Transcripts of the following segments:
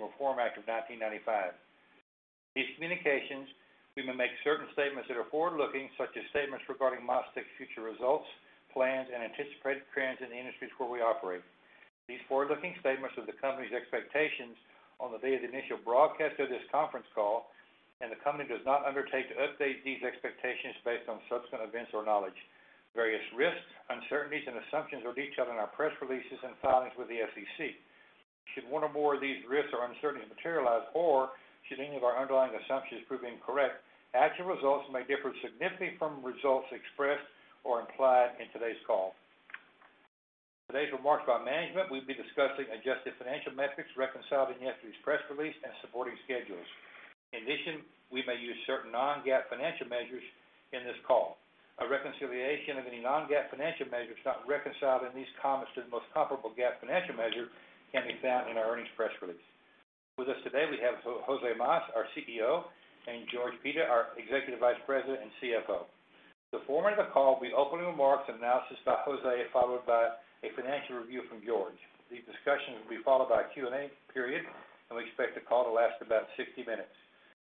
Reform Act of 1995. In these communications, we will make certain statements that are forward-looking, such as statements regarding MasTec's future results, plans, and anticipated trends in the industries where we operate. These forward-looking statements are the company's expectations on the day of the initial broadcast of this conference call, and the company does not undertake to update these expectations based on subsequent events or knowledge. Various risks, uncertainties, and assumptions are detailed in our press releases and filings with the SEC. Should one or more of these risks or uncertainties materialize or should any of our underlying assumptions prove incorrect, actual results may differ significantly from results expressed or implied in today's call. Today's remarks by management will be discussing adjusted financial metrics reconciled in yesterday's press release and supporting schedules. In addition, we may use certain non-GAAP financial measures in this call. A reconciliation of any non-GAAP financial measures not reconciled in these comments to the most comparable GAAP financial measure can be found in our earnings press release. With us today, we have José Mas, our CEO, and George Pita, our Executive Vice President and CFO. The format of the call will be opening remarks and analysis by José, followed by a financial review from George. These discussions will be followed by a Q&A period, and we expect the call to last about 60 minutes.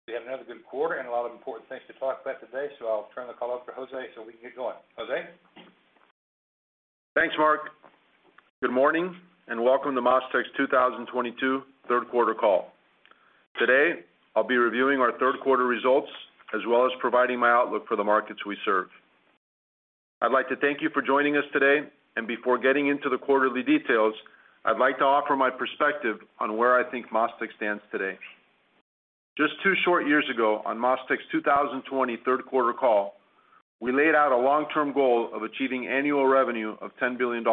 We had another good quarter and a lot of important things to talk about today, so I'll turn the call over to José so we can get going. José? Thanks, Marc. Good morning, and welcome to MasTec's 2022 third quarter call. Today, I'll be reviewing our third quarter results as well as providing my outlook for the markets we serve. I'd like to thank you for joining us today, and before getting into the quarterly details, I'd like to offer my perspective on where I think MasTec stands today. Just two short years ago, on MasTec's 2020 third quarter call, we laid out a long-term goal of achieving annual revenue of $10 billion+.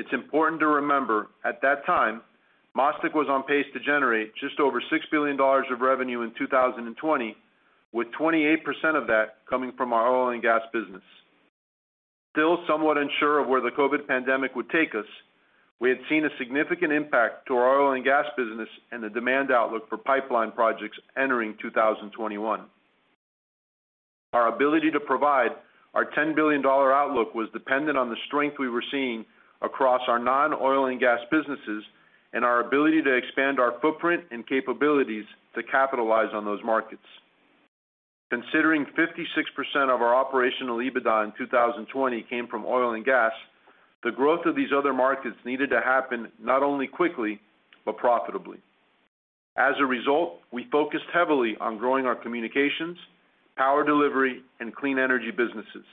It's important to remember, at that time, MasTec was on pace to generate just over $6 billion of revenue in 2020, with 28% of that coming from our oil and gas business. Still somewhat unsure of where the COVID pandemic would take us, we had seen a significant impact to our oil and gas business and the demand outlook for pipeline projects entering 2021. Our ability to provide our $10 billion outlook was dependent on the strength we were seeing across our non-oil and gas businesses and our ability to expand our footprint and capabilities to capitalize on those markets. Considering 56% of our operational EBITDA in 2020 came from oil and gas, the growth of these other markets needed to happen not only quickly, but profitably. As a result, we focused heavily on growing our communications, power delivery, and clean energy businesses.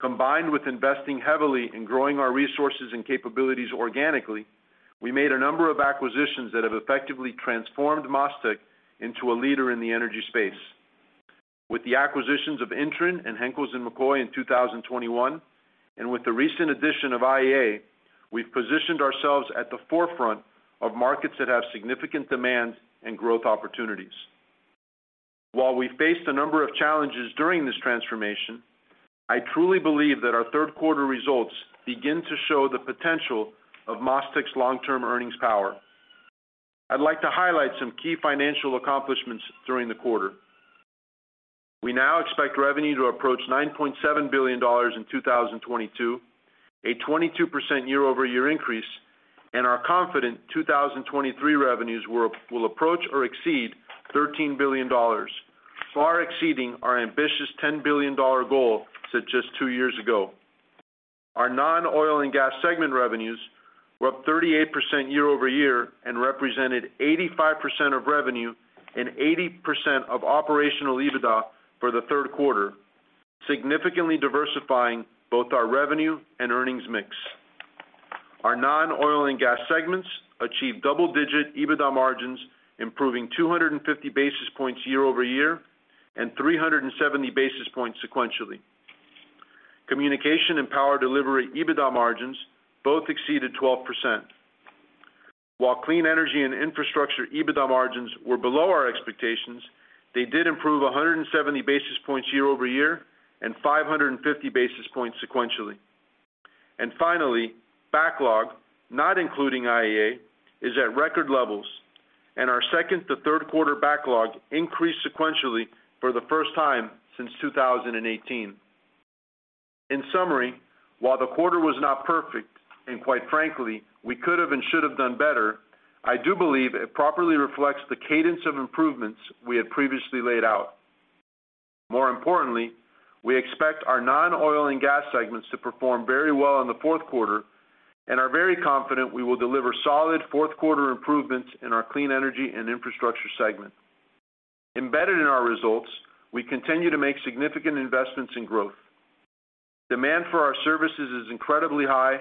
Combined with investing heavily in growing our resources and capabilities organically, we made a number of acquisitions that have effectively transformed MasTec into a leader in the energy space. With the acquisitions of Intren and Henkels & McCoy in 2021, and with the recent addition of IEA, we've positioned ourselves at the forefront of markets that have significant demand and growth opportunities. While we faced a number of challenges during this transformation, I truly believe that our third quarter results begin to show the potential of MasTec's long-term earnings power. I'd like to highlight some key financial accomplishments during the quarter. We now expect revenue to approach $9.7 billion in 2022, a 22% year-over-year increase, and are confident 2023 revenues will approach or exceed $13 billion, far exceeding our ambitious $10 billion goal set just two years ago. Our non-oil and gas segment revenues were up 38% year-over-year and represented 85% of revenue and 80% of operational EBITDA for the third quarter, significantly diversifying both our revenue and earnings mix. Our non-oil and gas segments achieved double-digit EBITDA margins, improving 250 basis points year-over-year and 370 basis points sequentially. Communication and power delivery EBITDA margins both exceeded 12%. While clean energy and infrastructure EBITDA margins were below our expectations, they did improve 170 basis points year-over-year and 550 basis points sequentially. Finally, backlog, not including IEA, is at record levels, and our second-to-third quarter backlog increased sequentially for the first time since 2018. In summary, while the quarter was not perfect, and quite frankly, we could have and should have done better, I do believe it properly reflects the cadence of improvements we had previously laid out. More importantly, we expect our non-oil and gas segments to perform very well in the fourth quarter and are very confident we will deliver solid fourth quarter improvements in our clean energy and infrastructure segment. Embedded in our results, we continue to make significant investments in growth. Demand for our services is incredibly high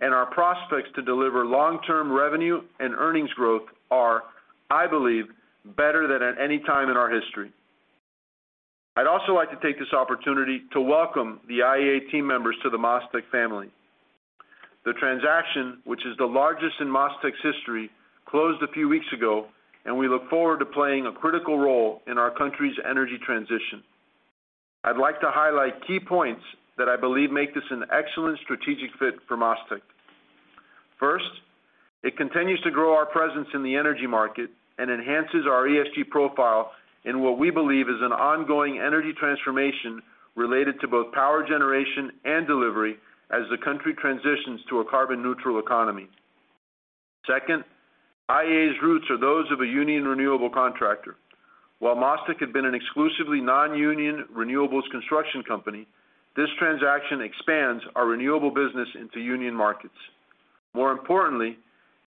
and our prospects to deliver long-term revenue and earnings growth are, I believe, better than at any time in our history. I'd also like to take this opportunity to welcome the IEA team members to the MasTec family. The transaction, which is the largest in MasTec's history, closed a few weeks ago, and we look forward to playing a critical role in our country's energy transition. I'd like to highlight key points that I believe make this an excellent strategic fit for MasTec. First, it continues to grow our presence in the energy market and enhances our ESG profile in what we believe is an ongoing energy transformation related to both power generation and delivery as the country transitions to a carbon neutral economy. Second, IEA's roots are those of a union renewable contractor. While MasTec had been an exclusively non-union renewables construction company, this transaction expands our renewable business into union markets. More importantly,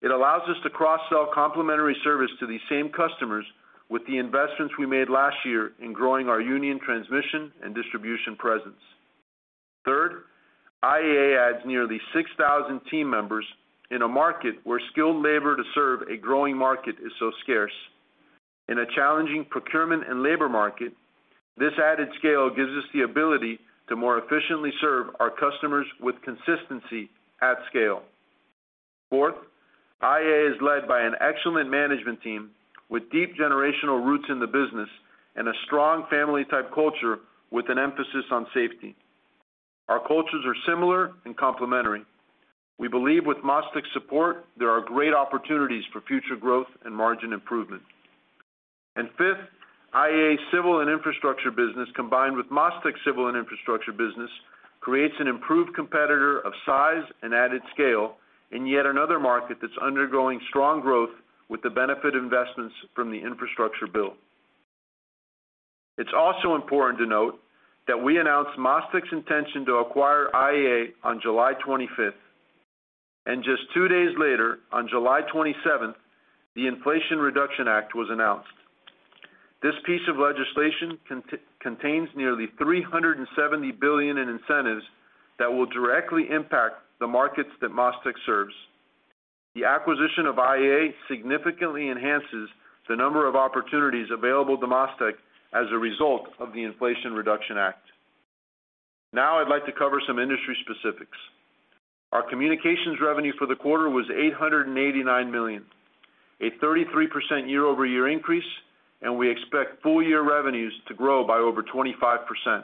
it allows us to cross-sell complementary service to these same customers with the investments we made last year in growing our union transmission and distribution presence. Third, IEA adds nearly 6,000 team members in a market where skilled labor to serve a growing market is so scarce. In a challenging procurement and labor market, this added scale gives us the ability to more efficiently serve our customers with consistency at scale. Fourth, IEA is led by an excellent management team with deep generational roots in the business and a strong family-type culture with an emphasis on safety. Our cultures are similar and complementary. We believe with MasTec's support, there are great opportunities for future growth and margin improvement. Fifth, IEA civil and infrastructure business, combined with MasTec civil and infrastructure business, creates an improved competitor of size and added scale in yet another market that's undergoing strong growth with the benefit investments from the infrastructure bill. It's also important to note that we announced MasTec's intention to acquire IEA on July 25, and just two days later, on July 27, the Inflation Reduction Act was announced. This piece of legislation contains nearly $370 billion in incentives that will directly impact the markets that MasTec serves. The acquisition of IEA significantly enhances the number of opportunities available to MasTec as a result of the Inflation Reduction Act. Now I'd like to cover some industry specifics. Our communications revenue for the quarter was $889 million, a 33% year-over-year increase, and we expect full year revenues to grow by over 25%.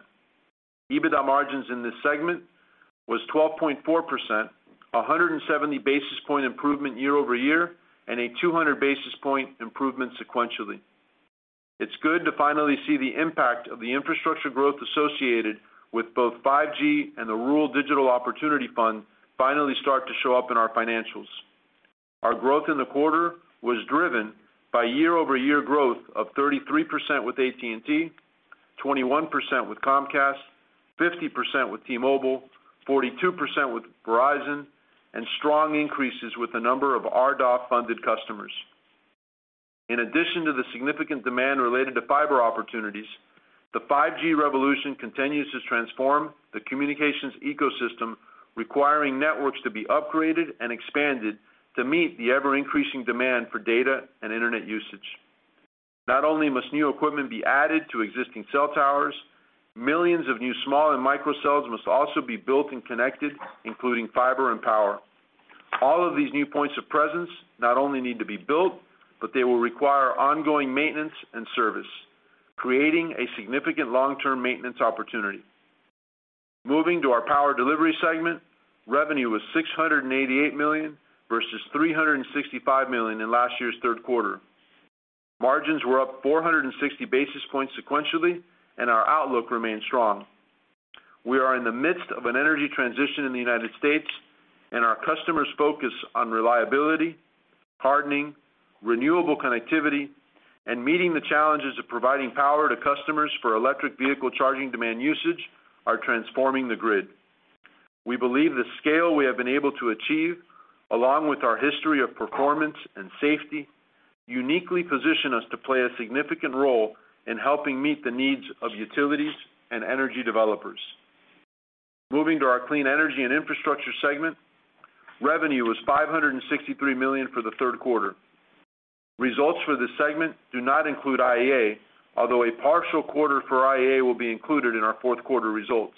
EBITDA margins in this segment was 12.4%, a 170 basis point improvement year-over-year, and a 200 basis point improvement sequentially. It's good to finally see the impact of the infrastructure growth associated with both 5G and the Rural Digital Opportunity Fund finally start to show up in our financials. Our growth in the quarter was driven by year-over-year growth of 33% with AT&T, 21% with Comcast, 50% with T-Mobile, 42% with Verizon, and strong increases with a number of RDOF-funded customers. In addition to the significant demand related to fiber opportunities, the 5G revolution continues to transform the communications ecosystem, requiring networks to be upgraded and expanded to meet the ever-increasing demand for data and internet usage. Not only must new equipment be added to existing cell towers, millions of new small and micro cells must also be built and connected, including fiber and power. All of these new points of presence not only need to be built, but they will require ongoing maintenance and service, creating a significant long-term maintenance opportunity. Moving to our power delivery segment, revenue was $688 million versus $365 million in last year's third quarter. Margins were up 460 basis points sequentially, and our outlook remains strong. We are in the midst of an energy transition in the United States, and our customers' focus on reliability, hardening, renewable connectivity, and meeting the challenges of providing power to customers for electric vehicle charging demand usage are transforming the grid. We believe the scale we have been able to achieve, along with our history of performance and safety, uniquely position us to play a significant role in helping meet the needs of utilities and energy developers. Moving to our clean energy and infrastructure segment, revenue was $563 million for the third quarter. Results for this segment do not include IEA, although a partial quarter for IEA will be included in our fourth quarter results.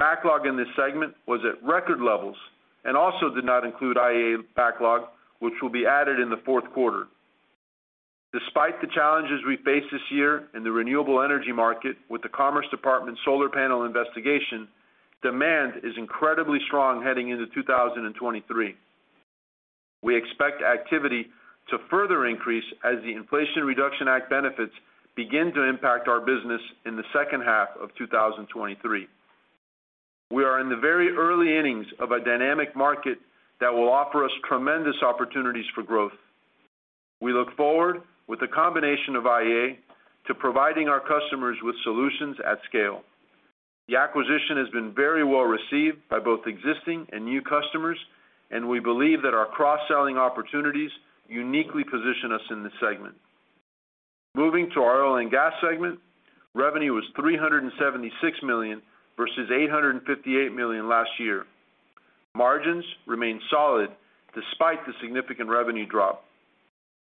Backlog in this segment was at record levels and also did not include IEA backlog, which will be added in the fourth quarter. Despite the challenges we face this year in the renewable energy market with the Department of Commerce solar panel investigation, demand is incredibly strong heading into 2023. We expect activity to further increase as the Inflation Reduction Act benefits begin to impact our business in the second half of 2023. We are in the very early innings of a dynamic market that will offer us tremendous opportunities for growth. We look forward, with the combination of IEA, to providing our customers with solutions at scale. The acquisition has been very well-received by both existing and new customers, and we believe that our cross-selling opportunities uniquely position us in this segment. Moving to our oil and gas segment, revenue was $376 million versus $858 million last year. Margins remain solid despite the significant revenue drop.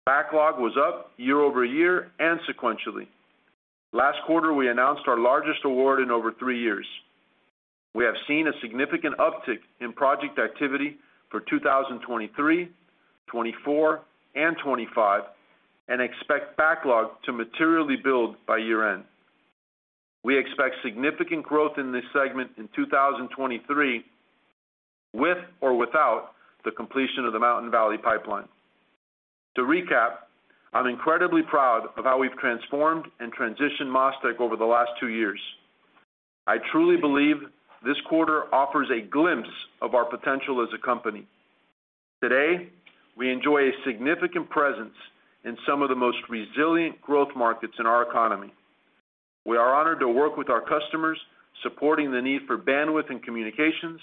Backlog was up year-over-year and sequentially. Last quarter, we announced our largest award in over 3 years. We have seen a significant uptick in project activity for 2023, 2024, and 2025, and expect backlog to materially build by year-end. We expect significant growth in this segment in 2023, with or without the completion of the Mountain Valley Pipeline. To recap, I'm incredibly proud of how we've transformed and transitioned MasTec over the last two years. I truly believe this quarter offers a glimpse of our potential as a company. Today, we enjoy a significant presence in some of the most resilient growth markets in our economy. We are honored to work with our customers, supporting the need for bandwidth and communications,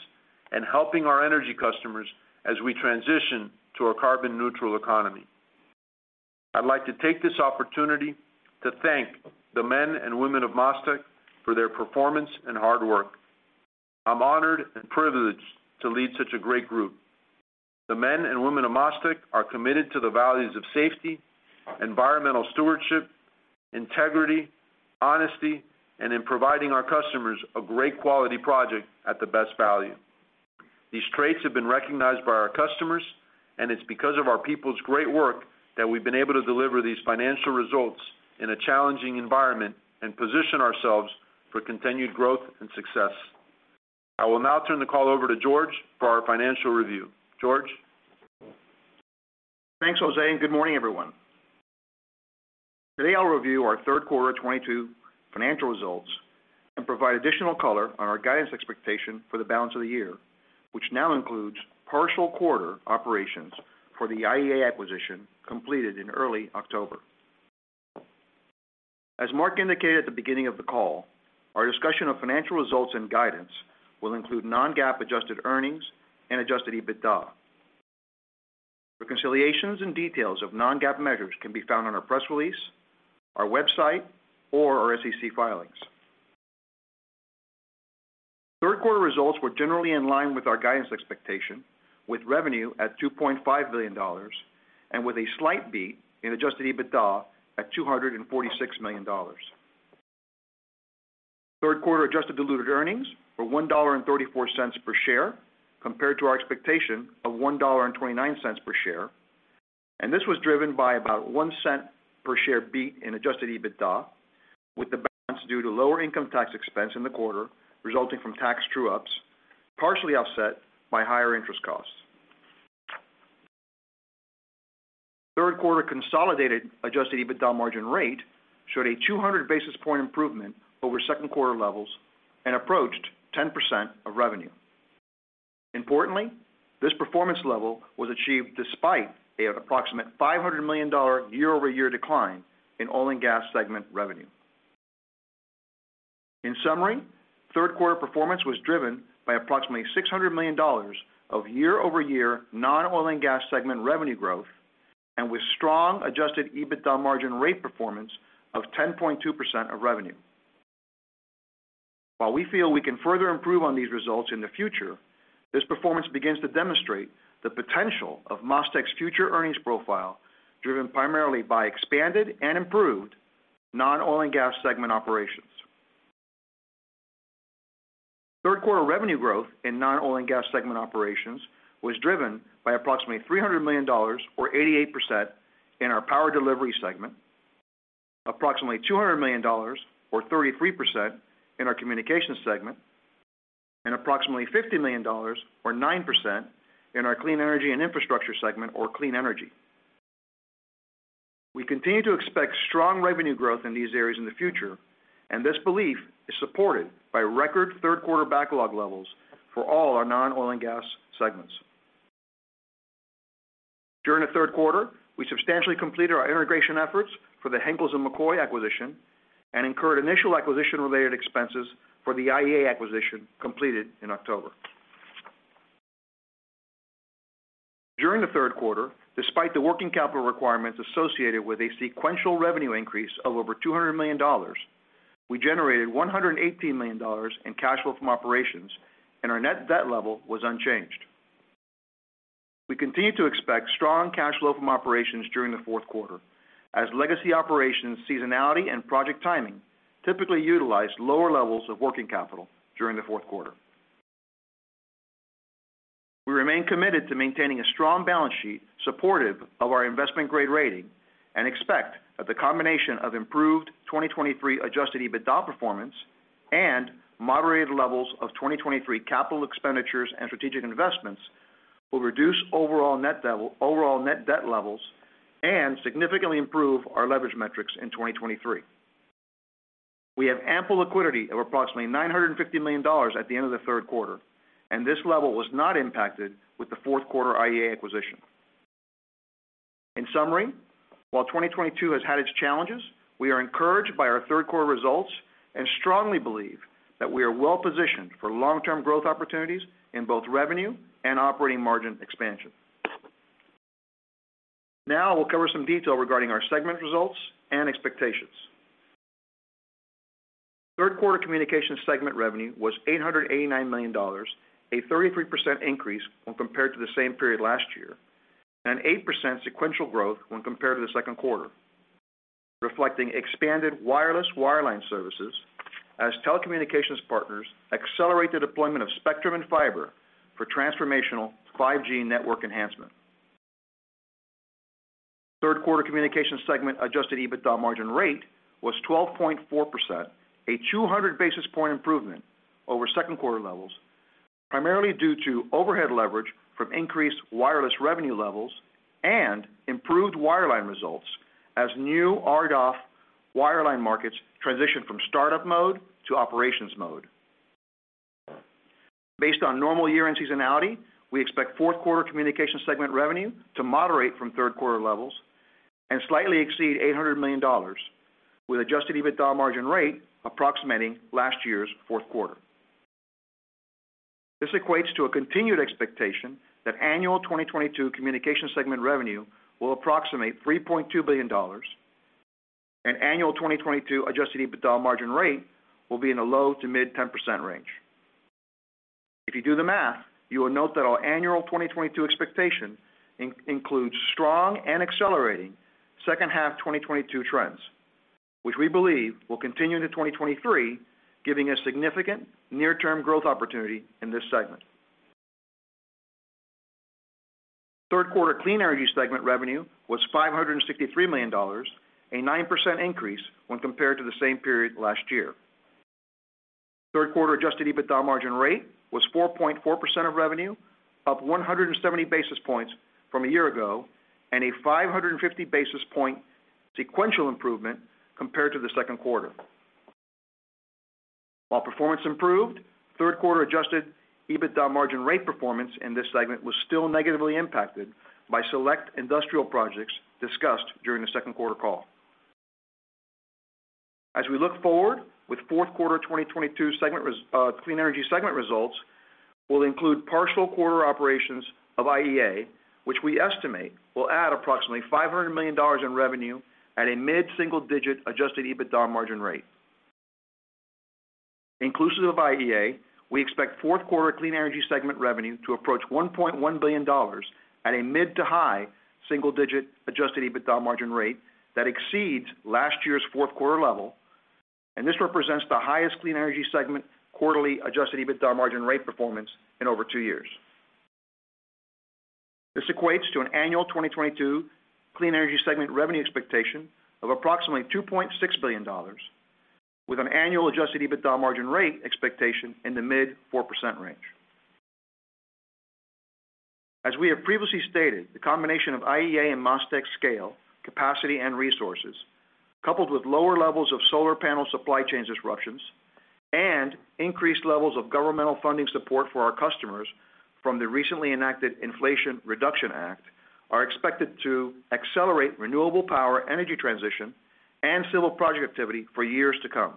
and helping our energy customers as we transition to a carbon neutral economy. I'd like to take this opportunity to thank the men and women of MasTec for their performance and hard work. I'm honored and privileged to lead such a great group. The men and women of MasTec are committed to the values of safety, environmental stewardship, integrity, honesty, and in providing our customers a great quality project at the best value. These traits have been recognized by our customers, and it's because of our people's great work that we've been able to deliver these financial results in a challenging environment and position ourselves for continued growth and success. I will now turn the call over to George for our financial review. George? Thanks, José, and good morning, everyone. Today, I'll review our third quarter 2022 financial results and provide additional color on our guidance expectation for the balance of the year, which now includes partial quarter operations for the IEA acquisition completed in early October. As Marc indicated at the beginning of the call, our discussion of financial results and guidance will include non-GAAP adjusted earnings and adjusted EBITDA. Reconciliations and details of non-GAAP measures can be found on our press release, our website, or our SEC filings. Third quarter results were generally in line with our guidance expectation, with revenue at $2.5 billion and with a slight beat in adjusted EBITDA at $246 million. Third quarter adjusted diluted earnings were $1.34 per share compared to our expectation of $1.29 per share. This was driven by about one cent per share beat in adjusted EBITDA, with the balance due to lower income tax expense in the quarter resulting from tax true-ups, partially offset by higher interest costs. Third quarter consolidated adjusted EBITDA margin rate showed a 200 basis point improvement over second quarter levels and approached 10% of revenue. Importantly, this performance level was achieved despite an approximate $500 million year-over-year decline in oil and gas segment revenue. In summary, third quarter performance was driven by approximately $600 million of year-over-year non-oil and gas segment revenue growth and with strong adjusted EBITDA margin rate performance of 10.2% of revenue. While we feel we can further improve on these results in the future, this performance begins to demonstrate the potential of MasTec's future earnings profile, driven primarily by expanded and improved non-oil and gas segment operations. Third quarter revenue growth in non-oil and gas segment operations was driven by approximately $300 million or 88% in our power delivery segment, approximately $200 million or 33% in our communications segment, and approximately $50 million or 9% in our clean energy and infrastructure segment, or clean energy. We continue to expect strong revenue growth in these areas in the future, and this belief is supported by record third quarter backlog levels for all our non-oil and gas segments. During the third quarter, we substantially completed our integration efforts for the Henkels & McCoy acquisition and incurred initial acquisition-related expenses for the IEA acquisition completed in October. During the third quarter, despite the working capital requirements associated with a sequential revenue increase of over $200 million, we generated $118 million in cash flow from operations, and our net debt level was unchanged. We continue to expect strong cash flow from operations during the fourth quarter as legacy operations seasonality and project timing typically utilize lower levels of working capital during the fourth quarter. We remain committed to maintaining a strong balance sheet supportive of our investment grade rating and expect that the combination of improved 2023 adjusted EBITDA performance and moderated levels of 2023 capital expenditures and strategic investments will reduce overall net debt levels and significantly improve our leverage metrics in 2023. We have ample liquidity of approximately $950 million at the end of the third quarter, and this level was not impacted with the fourth quarter IEA acquisition. In summary, while 2022 has had its challenges, we are encouraged by our third quarter results and strongly believe that we are well-positioned for long-term growth opportunities in both revenue and operating margin expansion. Now we'll cover some detail regarding our segment results and expectations. Third quarter communications segment revenue was $889 million, a 33% increase when compared to the same period last year, and 8% sequential growth when compared to the second quarter, reflecting expanded wireless wireline services as telecommunications partners accelerate the deployment of spectrum and fiber for transformational 5G network enhancement. Third quarter communication segment adjusted EBITDA margin rate was 12.4%, a 200 basis point improvement over second quarter levels. Primarily due to overhead leverage from increased wireless revenue levels and improved wireline results as new RDOF wireline markets transition from startup mode to operations mode. Based on normal year-end seasonality, we expect fourth quarter communication segment revenue to moderate from third quarter levels and slightly exceed $800 million with adjusted EBITDA margin rate approximating last year's fourth quarter. This equates to a continued expectation that annual 2022 communications segment revenue will approximate $3.2 billion, and annual 2022 adjusted EBITDA margin rate will be in the low- to mid-10% range. If you do the math, you will note that our annual 2022 expectation includes strong and accelerating second half 2022 trends, which we believe will continue to 2023, giving a significant near-term growth opportunity in this segment. Third quarter clean energy segment revenue was $563 million, a 9% increase when compared to the same period last year. Third quarter adjusted EBITDA margin rate was 4.4% of revenue, up 170 basis points from a year ago, and a 550 basis point sequential improvement compared to the second quarter. While performance improved, third quarter adjusted EBITDA margin rate performance in this segment was still negatively impacted by select industrial projects discussed during the second quarter call. As we look forward with fourth quarter 2022 clean energy segment results will include partial quarter operations of IEA, which we estimate will add approximately $500 million in revenue at a mid-single-digit adjusted EBITDA margin rate. Inclusive of IEA, we expect fourth quarter clean energy segment revenue to approach $1.1 billion at a mid- to high-single-digit adjusted EBITDA margin rate that exceeds last year's fourth quarter level, and this represents the highest clean energy segment quarterly adjusted EBITDA margin rate performance in over two years. This equates to an annual 2022 clean energy segment revenue expectation of approximately $2.6 billion with an annual adjusted EBITDA margin rate expectation in the mid-4% range. As we have previously stated, the combination of IEA and MasTec scale, capacity and resources, coupled with lower levels of solar panel supply chain disruptions and increased levels of governmental funding support for our customers from the recently enacted Inflation Reduction Act, are expected to accelerate renewable power energy transition and civil project activity for years to come.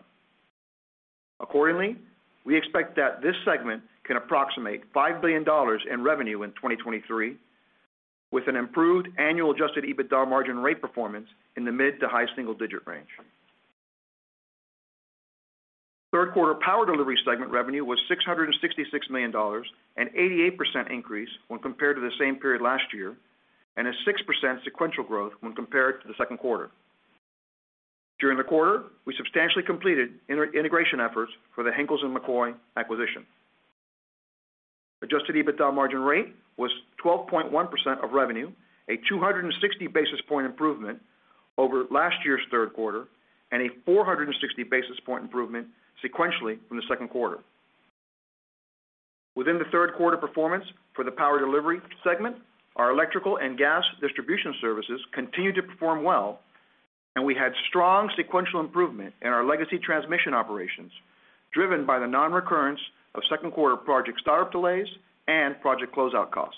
Accordingly, we expect that this segment can approximate $5 billion in revenue in 2023, with an improved annual adjusted EBITDA margin rate performance in the mid to high single-digit range. Third quarter power delivery segment revenue was $666 million, an 88% increase when compared to the same period last year, and a 6% sequential growth when compared to the second quarter. During the quarter, we substantially completed inter-integration efforts for the Henkels & McCoy acquisition. Adjusted EBITDA margin rate was 12.1% of revenue, a 260 basis point improvement over last year's third quarter, and a 460 basis point improvement sequentially from the second quarter. Within the third quarter performance for the power delivery segment, our electrical and gas distribution services continued to perform well, and we had strong sequential improvement in our legacy transmission operations, driven by the non-recurrence of second quarter project startup delays and project closeout costs.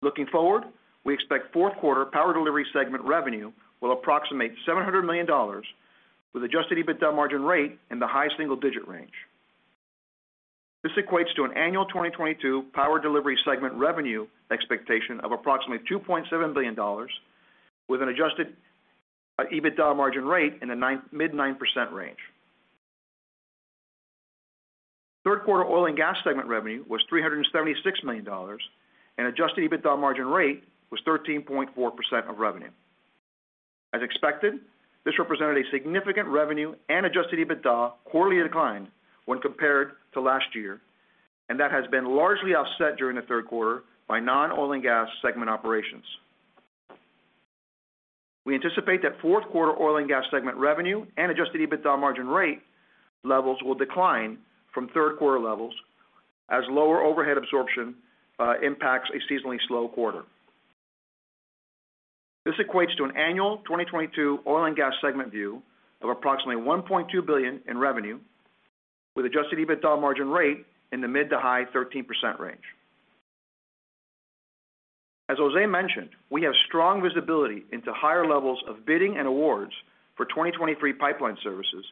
Looking forward, we expect fourth quarter power delivery segment revenue will approximate $700 million with adjusted EBITDA margin rate in the high single-digit range. This equates to an annual 2022 power delivery segment revenue expectation of approximately $2.7 billion, with an adjusted EBITDA margin rate in the 9%-mid 9% range. Third quarter oil and gas segment revenue was $376 million, and adjusted EBITDA margin rate was 13.4% of revenue. As expected, this represented a significant revenue and adjusted EBITDA quarterly decline when compared to last year, and that has been largely offset during the third quarter by non-oil and gas segment operations. We anticipate that fourth quarter oil and gas segment revenue and adjusted EBITDA margin rate levels will decline from third quarter levels as lower overhead absorption impacts a seasonally slow quarter. This equates to an annual 2022 oil and gas segment view of approximately $1.2 billion in revenue, with adjusted EBITDA margin rate in the mid- to high-13% range. As José mentioned, we have strong visibility into higher levels of bidding and awards for 2023 pipeline services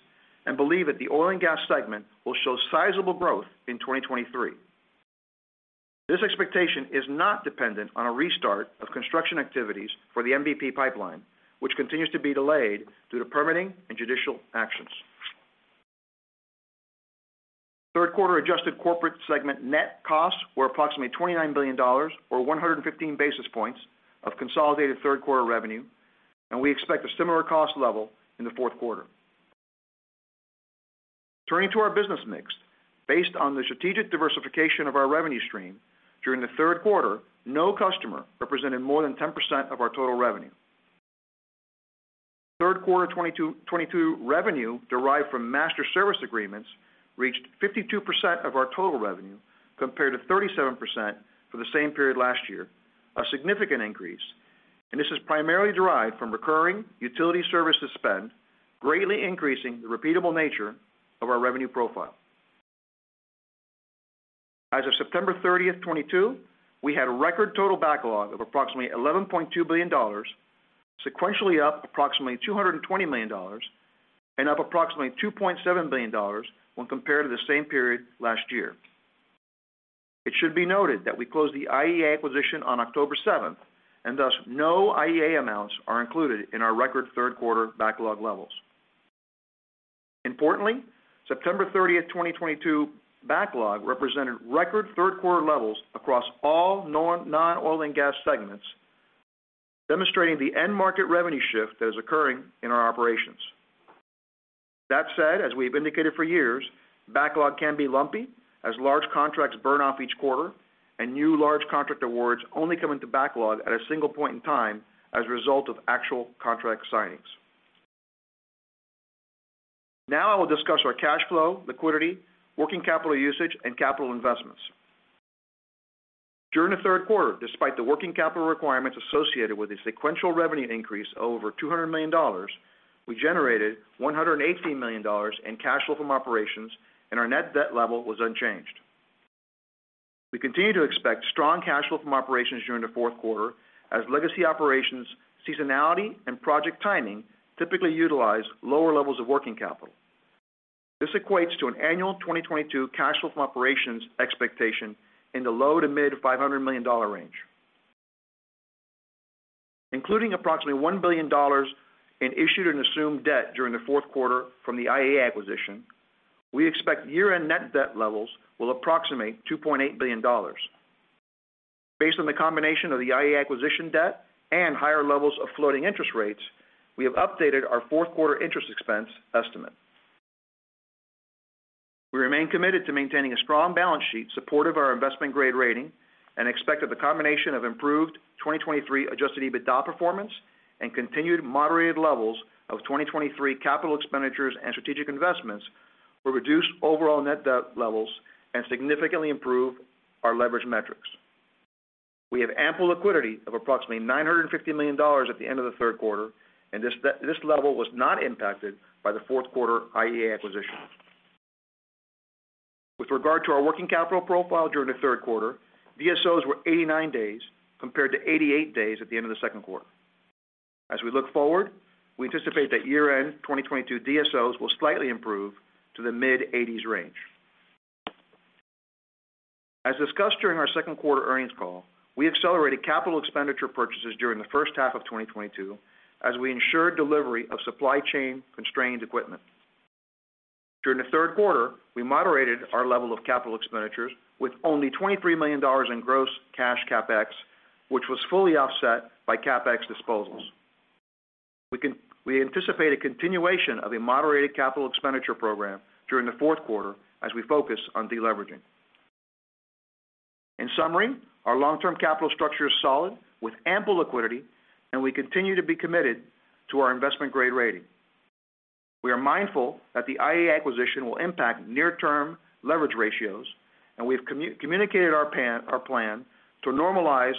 and believe that the oil and gas segment will show sizable growth in 2023. This expectation is not dependent on a restart of construction activities for the MVP pipeline, which continues to be delayed due to permitting and judicial actions. Third quarter adjusted corporate segment net costs were approximately $29 million or 115 basis points of consolidated third quarter revenue, and we expect a similar cost level in the fourth quarter. Turning to our business mix. Based on the strategic diversification of our revenue stream during the third quarter, no customer represented more than 10% of our total revenue. Third quarter 2022 revenue derived from master service agreements reached 52% of our total revenue compared to 37% for the same period last year, a significant increase. This is primarily derived from recurring utility services spend greatly increasing the repeatable nature of our revenue profile. As of September 30, 2022, we had a record total backlog of approximately $11.2 billion, sequentially up approximately $220 million and up approximately $2.7 billion when compared to the same period last year. It should be noted that we closed the IEA acquisition on October 7, and thus no IEA amounts are included in our record third quarter backlog levels. Importantly, September 30, 2022 backlog represented record third quarter levels across all non-oil and gas segments, demonstrating the end market revenue shift that is occurring in our operations. That said, as we've indicated for years, backlog can be lumpy as large contracts burn off each quarter and new large contract awards only come into backlog at a single point in time as a result of actual contract signings. Now I will discuss our cash flow, liquidity, working capital usage, and capital investments. During the third quarter, despite the working capital requirements associated with a sequential revenue increase of over $200 million, we generated $118 million in cash flow from operations, and our net debt level was unchanged. We continue to expect strong cash flow from operations during the fourth quarter as legacy operations, seasonality, and project timing typically utilize lower levels of working capital. This equates to an annual 2022 cash flow from operations expectation in the low- to mid-$500 million range. Including approximately $1 billion in issued and assumed debt during the fourth quarter from the IEA acquisition, we expect year-end net debt levels will approximate $2.8 billion. Based on the combination of the IEA acquisition debt and higher levels of floating interest rates, we have updated our fourth quarter interest expense estimate. We remain committed to maintaining a strong balance sheet supportive of our investment-grade rating, and expect that the combination of improved 2023 adjusted EBITDA performance and continued moderated levels of 2023 capital expenditures and strategic investments will reduce overall net debt levels and significantly improve our leverage metrics. We have ample liquidity of approximately $950 million at the end of the third quarter, and this level was not impacted by the fourth quarter IEA acquisition. With regard to our working capital profile during the third quarter, DSOs were 89 days compared to 88 days at the end of the second quarter. As we look forward, we anticipate that year-end 2022 DSOs will slightly improve to the mid-80s range. As discussed during our second quarter earnings call, we accelerated capital expenditure purchases during the first half of 2022 as we ensured delivery of supply chain constrained equipment. During the third quarter, we moderated our level of capital expenditures with only $23 million in gross cash CapEx, which was fully offset by CapEx disposals. We anticipate a continuation of a moderated capital expenditure program during the fourth quarter as we focus on deleveraging. In summary, our long-term capital structure is solid with ample liquidity, and we continue to be committed to our investment-grade rating. We are mindful that the IEA acquisition will impact near-term leverage ratios, and we've communicated our plan to normalize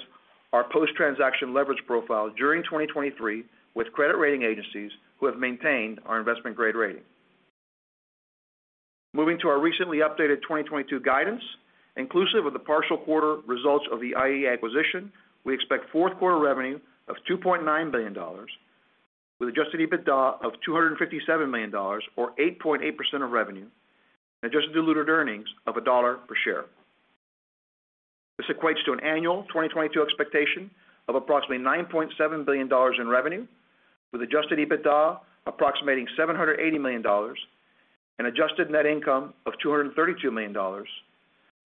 our post-transaction leverage profile during 2023 with credit rating agencies who have maintained our investment-grade rating. Moving to our recently updated 2022 guidance, inclusive of the partial quarter results of the IEA acquisition, we expect fourth quarter revenue of $2.9 billion with adjusted EBITDA of $257 million or 8.8% of revenue, and adjusted diluted earnings of $1 per share. This equates to an annual 2022 expectation of approximately $9.7 billion in revenue, with adjusted EBITDA approximating $780 million and adjusted net income of $232 million,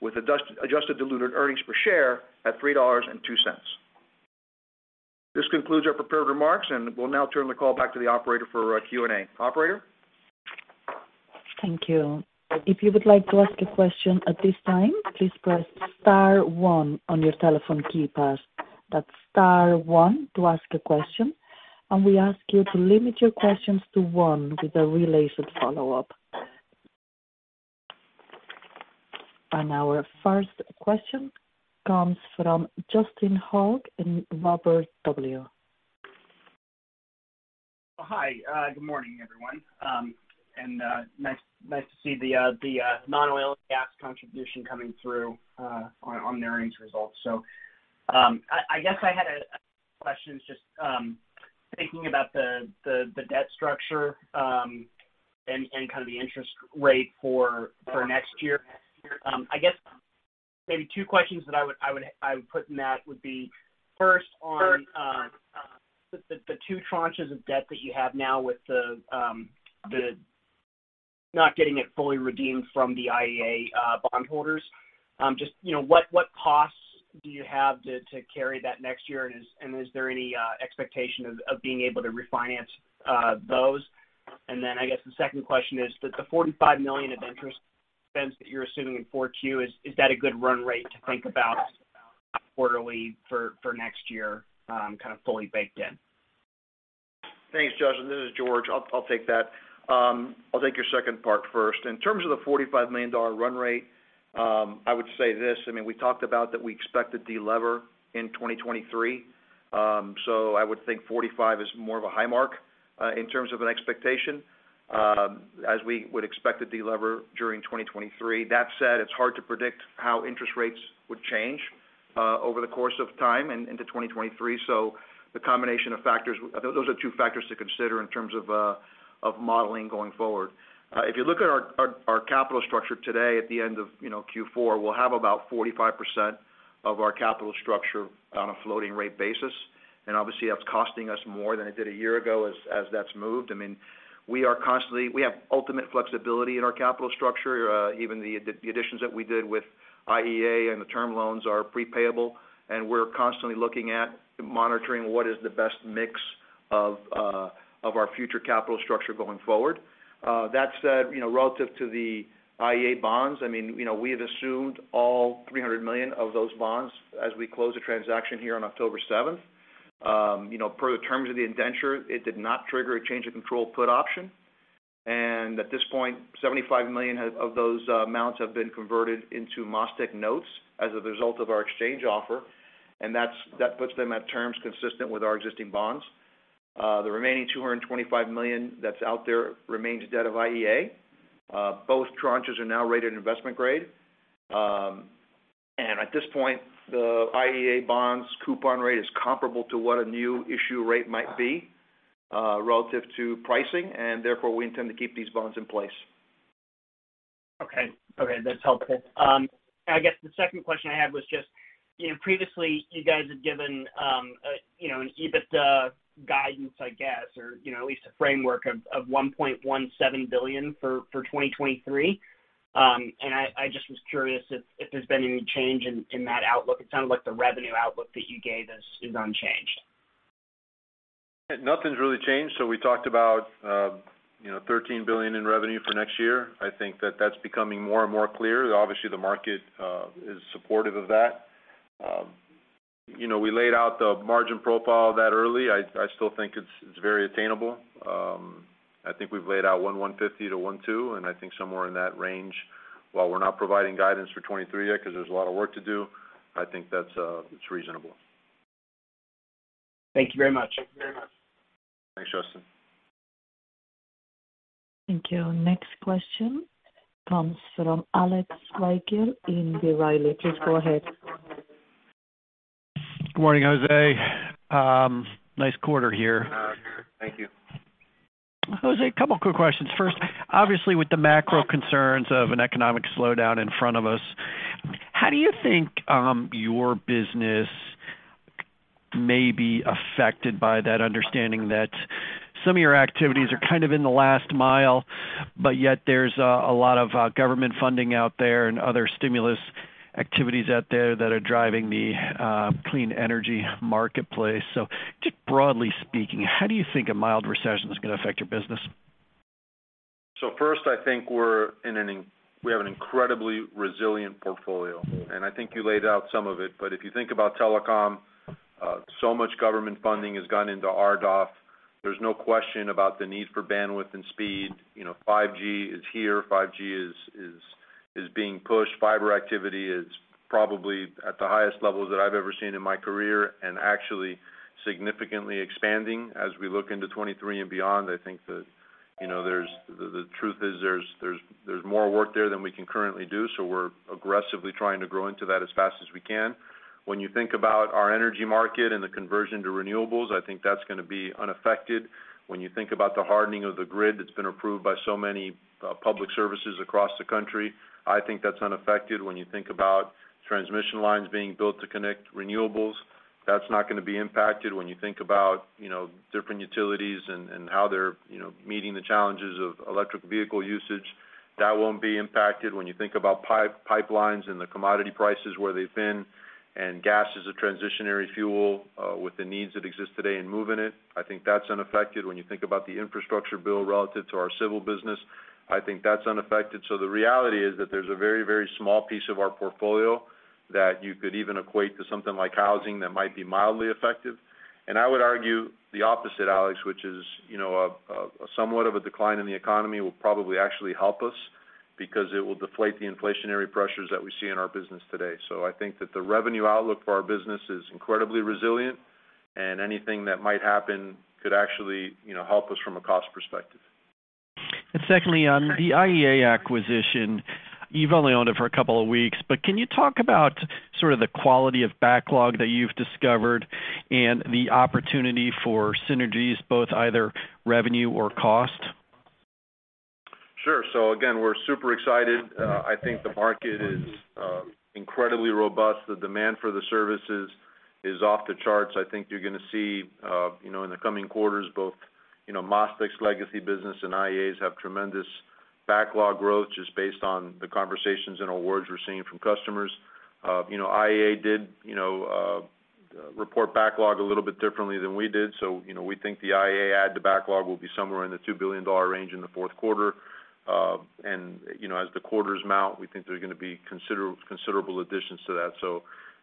with adjusted diluted earnings per share at $3.02. This concludes our prepared remarks, and we'll now turn the call back to the operator for Q&A. Operator? Thank you. If you would like to ask a question at this time, please press star one on your telephone keypad. That's star one to ask a question, and we ask you to limit your questions to one with a related follow-up. Our first question comes from Justin Hauke with Robert W. Baird & Co. Hi, good morning, everyone. Nice to see the non-oil and gas contribution coming through on the earnings results. I guess I had a question just thinking about the debt structure and kind of the interest rate for next year. I guess maybe two questions that I would put in that would be first on the two tranches of debt that you have now with the notes not getting fully redeemed from the IEA bondholders. Just, you know, what costs do you have to carry that next year? And is there any expectation of being able to refinance those? I guess the second question is, the $45 million of interest expense that you're assuming in 4Q, is that a good run rate to think about quarterly for next year, kind of fully baked in. Thanks, Justin. This is George. I'll take that. I'll take your second part first. In terms of the $45 million run rate, I would say this, I mean, we talked about that we expect to delever in 2023. I would think 45 is more of a high mark, in terms of an expectation, as we would expect to delever during 2023. That said, it's hard to predict how interest rates would change, over the course of time and into 2023. The combination of factors. Those are two factors to consider in terms of modeling going forward. If you look at our capital structure today at the end of, you know, Q4, we'll have about 45% of our capital structure on a floating rate basis. Obviously, that's costing us more than it did a year ago as that's moved. I mean, we have ultimate flexibility in our capital structure. Even the additions that we did with IEA and the term loans are pre-payable, and we're constantly looking at monitoring what is the best mix of our future capital structure going forward. That said, you know, relative to the IEA bonds, I mean, you know, we have assumed all $300 million of those bonds as we close the transaction here on October seventh. You know, per the terms of the indenture, it did not trigger a change of control put option. At this point, $75 million of those amounts have been converted into MasTec notes as a result of our exchange offer, and that puts them at terms consistent with our existing bonds. The remaining $225 million that's out there remains debt of IEA. Both tranches are now rated investment grade. At this point, the IEA bonds coupon rate is comparable to what a new issue rate might be, relative to pricing, and therefore, we intend to keep these bonds in place. Okay. Okay, that's helpful. I guess the second question I had was just, you know, previously you guys had given, you know, an EBITDA guidance, I guess, or, you know, at least a framework of $1.17 billion for 2023. I just was curious if there's been any change in that outlook. It sounded like the revenue outlook that you gave is unchanged. Nothing's really changed. We talked about $13 billion in revenue for next year. I think that that's becoming more and more clear. Obviously, the market is supportive of that. We laid out the margin profile that early. I still think it's very attainable. I think we've laid out 150-120, and I think somewhere in that range. While we're not providing guidance for 2023 yet, 'cause there's a lot of work to do, I think that it's reasonable. Thank you very much. Thanks, Justin. Thank you. Next question comes from Alex Rygiel in B. Riley. Please go ahead. Good morning, José. Nice quarter here. Thank you. José, a couple of quick questions. First, obviously, with the macro concerns of an economic slowdown in front of us, how do you think your business may be affected by that, understanding that some of your activities are kind of in the last mile, but yet there's a lot of government funding out there and other stimulus activities out there that are driving the clean energy marketplace. Just broadly speaking, how do you think a mild recession is gonna affect your business? First, I think we have an incredibly resilient portfolio, and I think you laid out some of it. If you think about telecom, so much government funding has gone into RDOF. There's no question about the need for bandwidth and speed. 5G is here, 5G is being pushed. Fiber activity is probably at the highest levels that I've ever seen in my career and actually significantly expanding. As we look into 2023 and beyond, I think that the truth is there's more work there than we can currently do, so we're aggressively trying to grow into that as fast as we can. When you think about our energy market and the conversion to renewables, I think that's gonna be unaffected. When you think about the hardening of the grid that's been approved by so many public services across the country, I think that's unaffected. When you think about transmission lines being built to connect renewables, that's not gonna be impacted. When you think about different utilities and how they're meeting the challenges of electric vehicle usage, that won't be impacted. When you think about pipelines and the commodity prices where they've been, and gas is a transitional fuel with the needs that exist today in moving it, I think that's unaffected. When you think about the infrastructure build relative to our civil business, I think that's unaffected. The reality is that there's a very, very small piece of our portfolio that you could even equate to something like housing that might be mildly affected. I would argue the opposite, Alex, which is, you know, a somewhat of a decline in the economy will probably actually help us because it will deflate the inflationary pressures that we see in our business today. I think that the revenue outlook for our business is incredibly resilient, and anything that might happen could actually, you know, help us from a cost perspective. Secondly, the IEA acquisition, you've only owned it for a couple of weeks, but can you talk about sort of the quality of backlog that you've discovered and the opportunity for synergies, both either revenue or cost? Sure. Again, we're super excited. I think the market is incredibly robust. The demand for the services is off the charts. I think you're gonna see, you know, in the coming quarters, both, you know, MasTec's legacy business and IEA's have tremendous backlog growth just based on the conversations and awards we're seeing from customers. You know, IEA did, you know, report backlog a little bit differently than we did. You know, we think the IEA add to backlog will be somewhere in the $2 billion range in the fourth quarter. You know, as the quarters mount, we think they're gonna be considerable additions to that.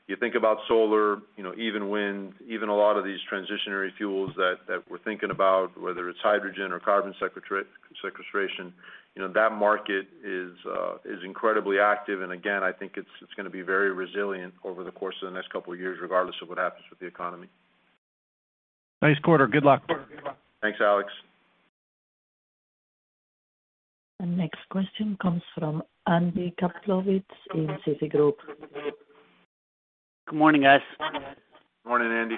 You think about solar, you know, even wind, even a lot of these transitional fuels that we're thinking about, whether it's hydrogen or carbon sequestration, you know, that market is incredibly active. Again, I think it's gonna be very resilient over the course of the next couple of years, regardless of what happens with the economy. Nice quarter. Good luck. Thanks, Alex. The next question comes from Andy Kaplowitz in Citigroup. Good morning, guys. Morning, Andy.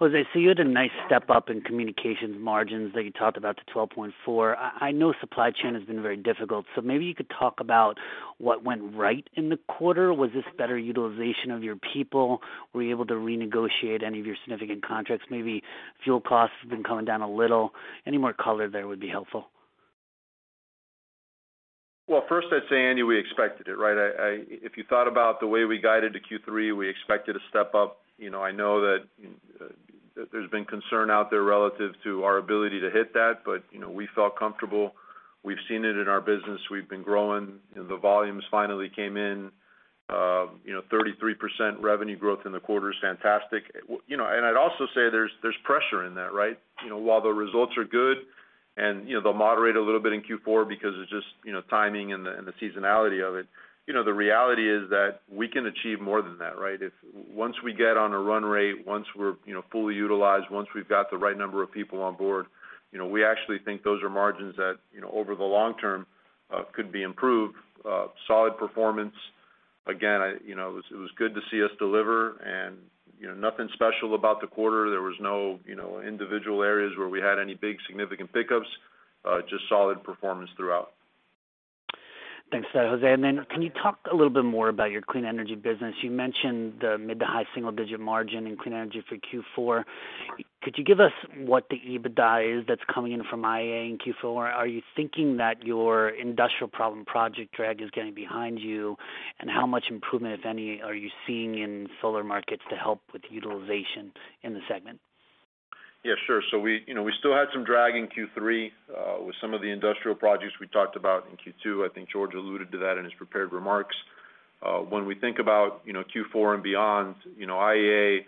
José, you had a nice step-up in communications margins that you talked about to 12.4%. I know supply chain has been very difficult, so maybe you could talk about what went right in the quarter. Was this better utilization of your people? Were you able to renegotiate any of your significant contracts? Maybe fuel costs have been coming down a little. Any more color there would be helpful. Well, first, I'd say, Andy, we expected it, right? If you thought about the way we guided to Q3, we expected a step up. You know, I know that there's been concern out there relative to our ability to hit that, but, you know, we felt comfortable. We've seen it in our business. We've been growing, and the volumes finally came in. You know, 33% revenue growth in the quarter is fantastic. You know, and I'd also say there's pressure in that, right? You know, while the results are good and, you know, they'll moderate a little bit in Q4 because it's just, you know, timing and the seasonality of it, you know, the reality is that we can achieve more than that, right? Once we get on a run rate, once we're, you know, fully utilized, once we've got the right number of people on board, you know, we actually think those are margins that, you know, over the long term, could be improved. Solid performance. Again, I, you know, it was good to see us deliver and, you know, nothing special about the quarter. There was no, you know, individual areas where we had any big significant pickups, just solid performance throughout. Thanks for that, José. Can you talk a little bit more about your clean energy business? You mentioned the mid- to high-single-digit margin in clean energy for Q4. Could you give us what the EBITDA is that's coming in from IEA in Q4? Are you thinking that your industrial problem project drag is getting behind you? How much improvement, if any, are you seeing in solar markets to help with utilization in the segment? Yeah, sure. We, you know, we still had some drag in Q3 with some of the industrial projects we talked about in Q2. I think George alluded to that in his prepared remarks. When we think about, you know, Q4 and beyond, you know, IEA,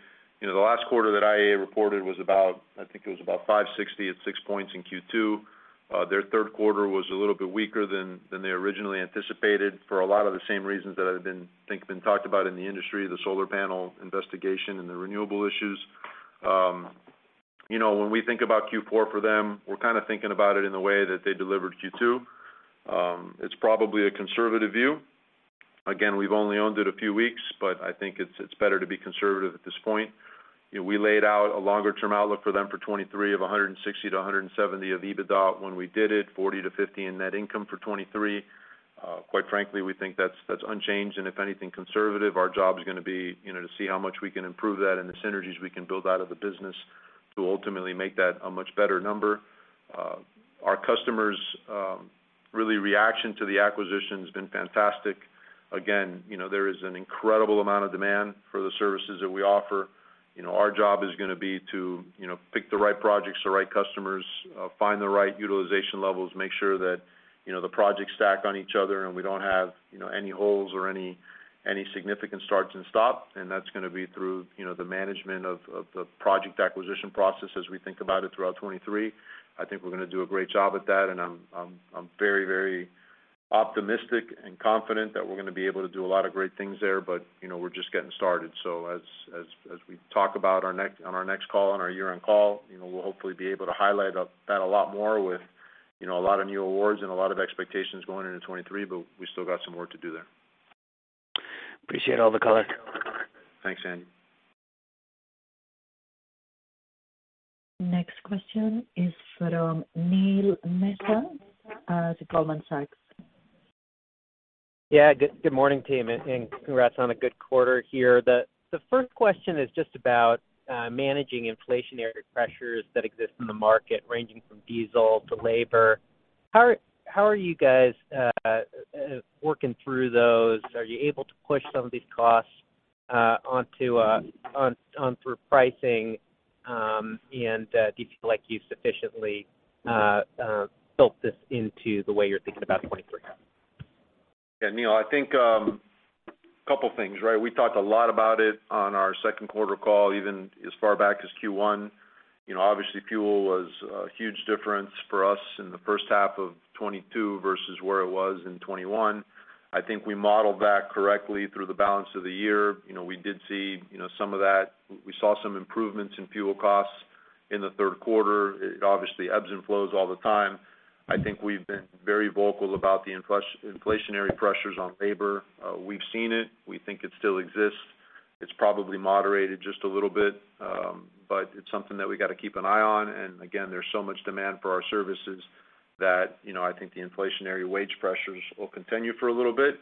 you know, the last quarter that IEA reported was about, I think it was about 560 at 6 points in Q2. Their third quarter was a little bit weaker than they originally anticipated for a lot of the same reasons that have been talked about in the industry, the solar panel investigation and the renewable issues. You know, when we think about Q4 for them, we're kinda thinking about it in the way that they delivered Q2. It's probably a conservative view. Again, we've only owned it a few weeks, but I think it's better to be conservative at this point. You know, we laid out a longer term outlook for them for 2023 of $160-$170 million of EBITDA when we did it, $40-$50 million in net income for 2023. Quite frankly, we think that's unchanged, and if anything conservative, our job is gonna be, you know, to see how much we can improve that and the synergies we can build out of the business to ultimately make that a much better number. Our customers' real reaction to the acquisition has been fantastic. Again, you know, there is an incredible amount of demand for the services that we offer. You know, our job is gonna be to, you know, pick the right projects, the right customers, find the right utilization levels, make sure that, you know, the projects stack on each other, and we don't have, you know, any holes or any significant starts and stops. That's gonna be through, you know, the management of the project acquisition process as we think about it throughout 2023. I think we're gonna do a great job at that, and I'm very, very optimistic and confident that we're gonna be able to do a lot of great things there, but, you know, we're just getting started. As we talk about our next call, on our year-end call, you know, we'll hopefully be able to highlight that a lot more with, you know, a lot of new awards and a lot of expectations going into 2023, but we still got some work to do there. Appreciate all the color. Thanks, Andy. Next question is from Neel Mehta at Goldman Sachs. Yeah. Good morning, team, and congrats on a good quarter here. The first question is just about managing inflationary pressures that exist in the market, ranging from diesel to labor. How are you guys working through those? Are you able to push some of these costs on through pricing, and do you feel like you've sufficiently built this into the way you're thinking about 2023? Yeah, Neil, I think couple things, right? We talked a lot about it on our second quarter call, even as far back as Q1. You know, obviously, fuel was a huge difference for us in the first half of 2022 versus where it was in 2021. I think we modeled that correctly through the balance of the year. You know, we did see some of that. We saw some improvements in fuel costs in the third quarter. It obviously ebbs and flows all the time. I think we've been very vocal about the inflationary pressures on labor. We've seen it. We think it still exists. It's probably moderated just a little bit, but it's something that we gotta keep an eye on. Again, there's so much demand for our services that, you know, I think the inflationary wage pressures will continue for a little bit.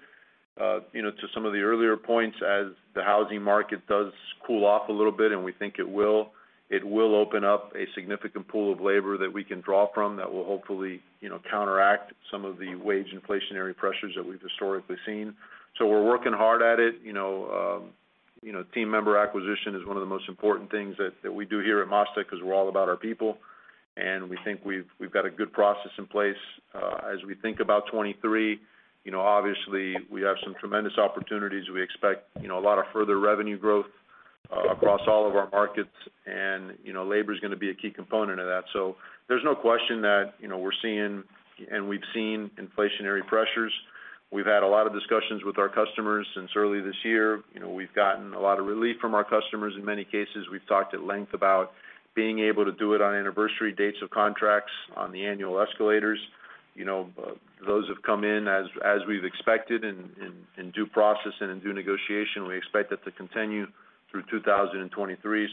You know, to some of the earlier points, as the housing market does cool off a little bit, and we think it will open up a significant pool of labor that we can draw from that will hopefully, you know, counteract some of the wage inflationary pressures that we've historically seen. We're working hard at it. You know, team member acquisition is one of the most important things that we do here at MasTec because we're all about our people, and we think we've got a good process in place. As we think about 2023, you know, obviously we have some tremendous opportunities. We expect, you know, a lot of further revenue growth across all of our markets and, you know, labor is gonna be a key component of that. There's no question that, you know, we're seeing and we've seen inflationary pressures. We've had a lot of discussions with our customers since early this year. You know, we've gotten a lot of relief from our customers. In many cases, we've talked at length about being able to do it on anniversary dates of contracts on the annual escalators. You know, those have come in as we've expected in due process and in due negotiation. We expect that to continue through 2023.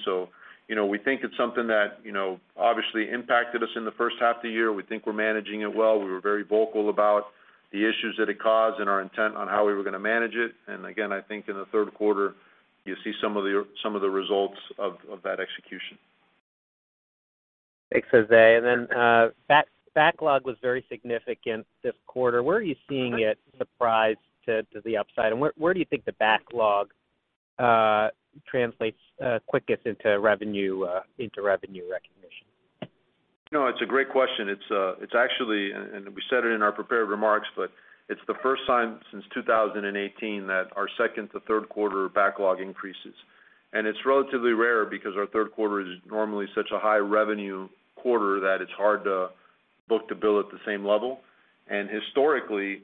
You know, we think it's something that, you know, obviously impacted us in the first half of the year. We think we're managing it well. We were very vocal about the issues that it caused and our intent on how we were gonna manage it. Again, I think in the third quarter, you'll see some of the results of that execution. Thanks, José. Backlog was very significant this quarter. Where are you seeing it surprise to the upside? Where do you think the backlog translates quickest into revenue recognition? No, it's a great question. It's actually, and we said it in our prepared remarks, but it's the first time since 2018 that our second-to-third quarter backlog increases. It's relatively rare because our third quarter is normally such a high revenue quarter that it's hard to book-to-bill at the same level. Historically,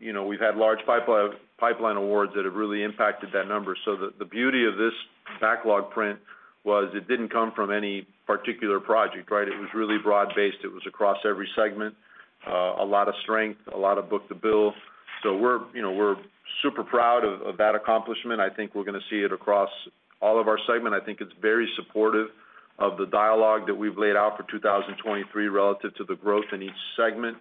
you know, we've had large pipeline awards that have really impacted that number. The beauty of this backlog print was it didn't come from any particular project, right? It was really broad-based. It was across every segment, a lot of strength, a lot of book-to-bill. We're, you know, we're super proud of that accomplishment. I think we're gonna see it across all of our segment. I think it's very supportive of the dialogue that we've laid out for 2023 relative to the growth in each segment.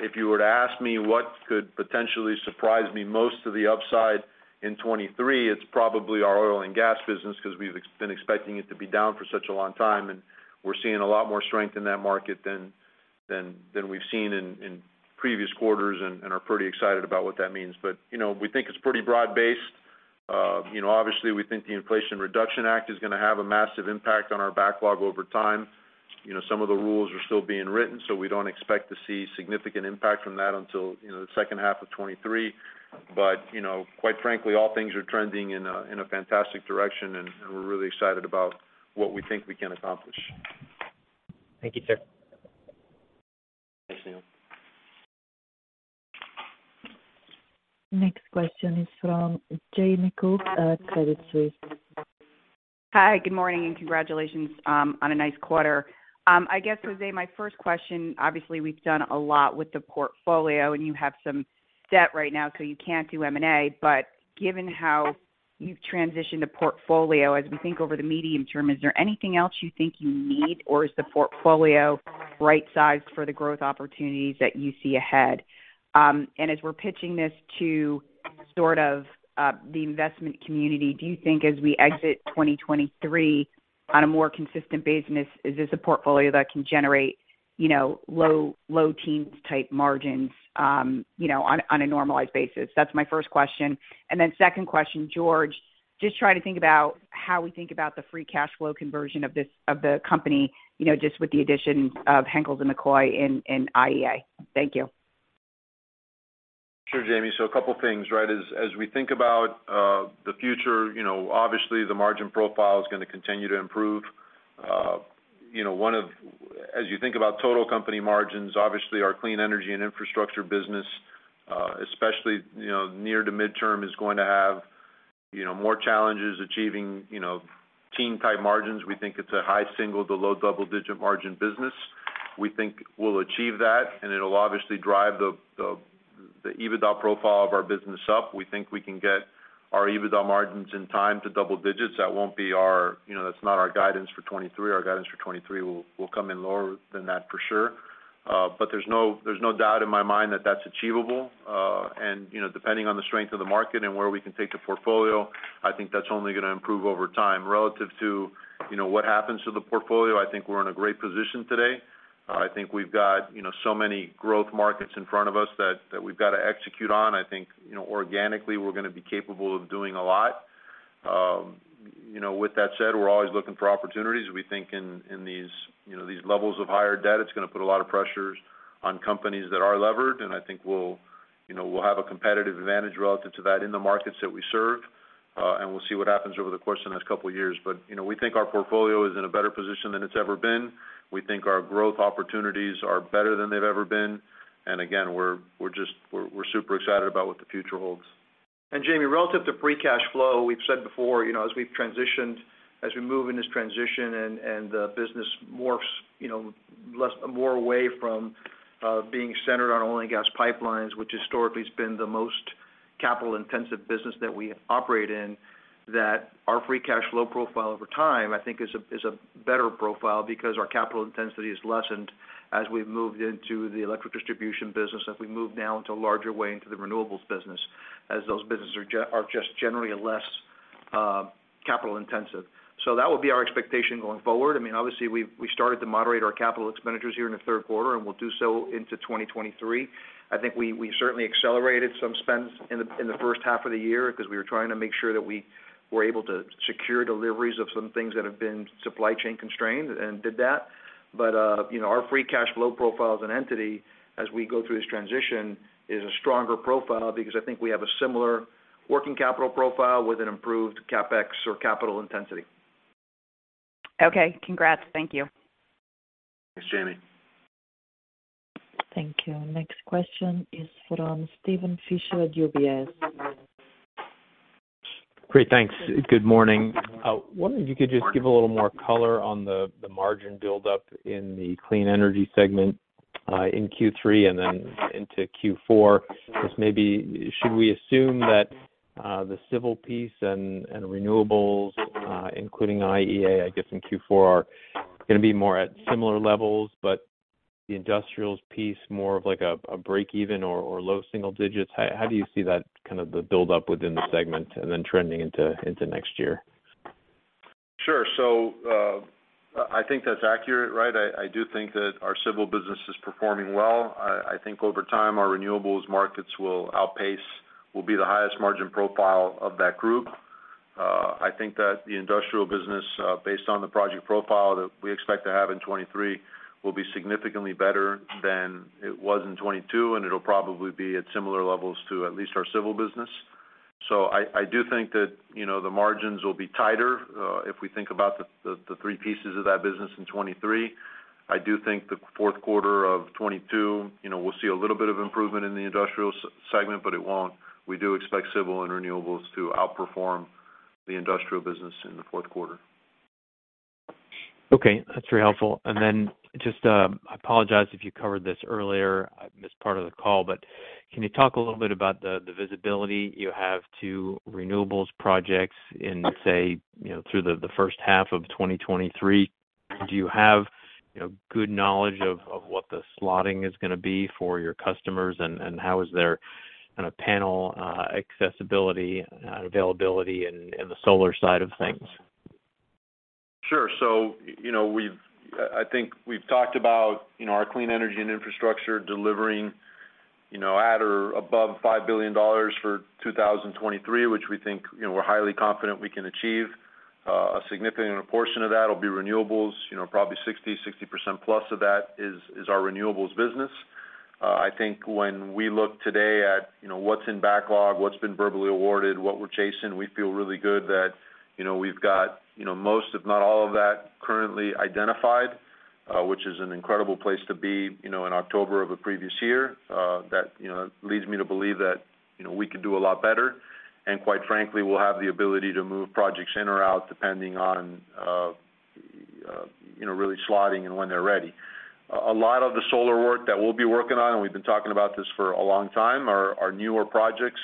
If you were to ask me what could potentially surprise me most to the upside in 2023, it's probably our oil and gas business because we've been expecting it to be down for such a long time, and we're seeing a lot more strength in that market than we've seen in previous quarters and are pretty excited about what that means. You know, we think it's pretty broad-based. You know, obviously, we think the Inflation Reduction Act is gonna have a massive impact on our backlog over time. You know, some of the rules are still being written, so we don't expect to see significant impact from that until the second half of 2023. But you know, quite frankly, all things are trending in a fantastic direction, and we're really excited about what we think we can accomplish. Thank you, sir. Thanks, Neil. Next question is from Jamie Cook at Credit Suisse. Hi, good morning, and congratulations on a nice quarter. I guess, José, my first question, obviously, we've done a lot with the portfolio and you have some debt right now, so you can't do M&A. Given how you've transitioned the portfolio, as we think over the medium term, is there anything else you think you need, or is the portfolio right-sized for the growth opportunities that you see ahead? And as we're pitching this to sort of the investment community, do you think as we exit 2023 on a more consistent basis, is this a portfolio that can generate, you know, low-teens-type margins, you know, on a normalized basis? That's my first question. Second question, George, just try to think about how we think about the free cash flow conversion of this, of the company, you know, just with the addition of Henkels & McCoy in IEA. Thank you. Sure, Jamie. A couple of things, right? As we think about the future, you know, obviously the margin profile is gonna continue to improve. As you think about total company margins, obviously our clean energy and infrastructure business, especially, you know, near to midterm, is going to have, you know, more challenges achieving, you know, teen type margins. We think it's a high single to low double-digit margin business. We think we'll achieve that, and it'll obviously drive the EBITDA profile of our business up. We think we can get our EBITDA margins in time to double digits. That won't be our, you know, that's not our guidance for 2023. Our guidance for 2023 will come in lower than that for sure. But there's no doubt in my mind that that's achievable. You know, depending on the strength of the market and where we can take the portfolio, I think that's only gonna improve over time. Relative to, you know, what happens to the portfolio, I think we're in a great position today. I think we've got, you know, so many growth markets in front of us that we've got to execute on. I think, you know, organically, we're gonna be capable of doing a lot. You know, with that said, we're always looking for opportunities. We think in these, you know, these levels of higher debt, it's gonna put a lot of pressures on companies that are levered, and I think we'll, you know, have a competitive advantage relative to that in the markets that we serve. We'll see what happens over the course of the next couple of years. You know, we think our portfolio is in a better position than it's ever been. We think our growth opportunities are better than they've ever been. Again, we're just super excited about what the future holds. Jamie, relative to free cash flow, we've said before, you know, as we've transitioned, as we move in this transition and the business morphs, you know, less more away from being centered on oil and gas pipelines, which historically has been the most capital-intensive business that we operate in, that our free cash flow profile over time, I think is a better profile because our capital intensity has lessened as we've moved into the electric distribution business, as we move now into larger way into the renewables business, as those businesses are just generally a less. Capital intensive. That will be our expectation going forward. I mean, obviously we started to moderate our capital expenditures here in the third quarter, and we'll do so into 2023. I think we certainly accelerated some spends in the first half of the year because we were trying to make sure that we were able to secure deliveries of some things that have been supply chain constrained and did that. You know, our free cash flow profile as an entity, as we go through this transition, is a stronger profile because I think we have a similar working capital profile with an improved CapEx or capital intensity. Okay. Congrats. Thank you. Thanks, Jamie. Thank you. Next question is from Steven Fisher at UBS. Great. Thanks. Good morning. Wondering if you could just give a little more color on the margin buildup in the clean energy segment in Q3 and then into Q4. Just maybe should we assume that the civil piece and renewables including IEA, I guess, in Q4 are gonna be more at similar levels, but the industrials piece more of like a break-even or low single digits? How do you see that kind of the buildup within the segment and then trending into next year? Sure. I think that's accurate, right? I do think that our civil business is performing well. I think over time, our renewables markets will be the highest margin profile of that group. I think that the industrial business, based on the project profile that we expect to have in 2023, will be significantly better than it was in 2022, and it'll probably be at similar levels to at least our civil business. I do think that, you know, the margins will be tighter, if we think about the three pieces of that business in 2023. I do think the fourth quarter of 2022, you know, we'll see a little bit of improvement in the industrial segment, but it won't. We do expect civil and renewables to outperform the industrial business in the fourth quarter. Okay, that's very helpful. Just, I apologize if you covered this earlier, I missed part of the call, but can you talk a little bit about the visibility you have to renewables projects in, say, you know, through the first half of 2023? Do you have, you know, good knowledge of what the slotting is gonna be for your customers and how is their kind of panel accessibility and availability in the solar side of things? Sure. I think we've talked about, you know, our clean energy and infrastructure delivering, you know, at or above $5 billion for 2023, which we think, you know, we're highly confident we can achieve. A significant portion of that will be renewables, you know, probably 60%+ of that is our renewables business. I think when we look today at, you know, what's in backlog, what's been verbally awarded, what we're chasing, we feel really good that, you know, we've got, you know, most, if not all of that currently identified, which is an incredible place to be, you know, in October of a previous year. That, you know, leads me to believe that, you know, we could do a lot better. Quite frankly, we'll have the ability to move projects in or out, depending on, you know, really slotting and when they're ready. A lot of the solar work that we'll be working on, and we've been talking about this for a long time, are newer projects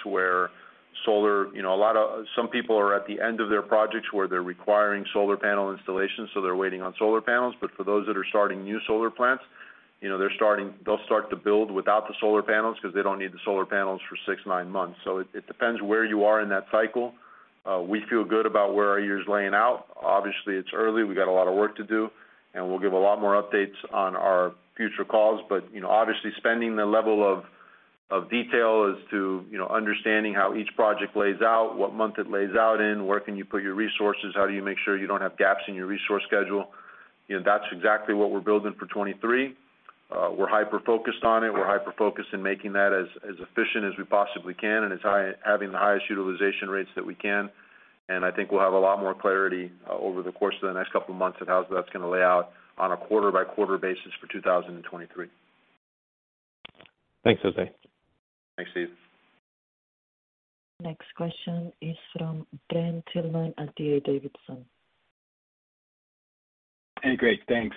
where solar, you know, a lot of some people are at the end of their projects where they're requiring solar panel installations, so they're waiting on solar panels. But for those that are starting new solar plants, you know, they'll start to build without the solar panels 'cause they don't need the solar panels for six, nine months. So it depends where you are in that cycle. We feel good about where our year's lying out. Obviously, it's early, we got a lot of work to do, and we'll give a lot more updates on our future calls. You know, obviously spending the level of detail as to, you know, understanding how each project lays out, what month it lays out in, where can you put your resources, how do you make sure you don't have gaps in your resource schedule? You know, that's exactly what we're building for 2023. We're hyper-focused on it. We're hyper-focused in making that as efficient as we possibly can and having the highest utilization rates that we can. I think we'll have a lot more clarity over the course of the next couple of months of how that's gonna lay out on a quarter-by-quarter basis for 2023. Thanks, José. Thanks, Steve. Next question is from Brent Thielman at D.A. Davidson. Hey, great. Thanks.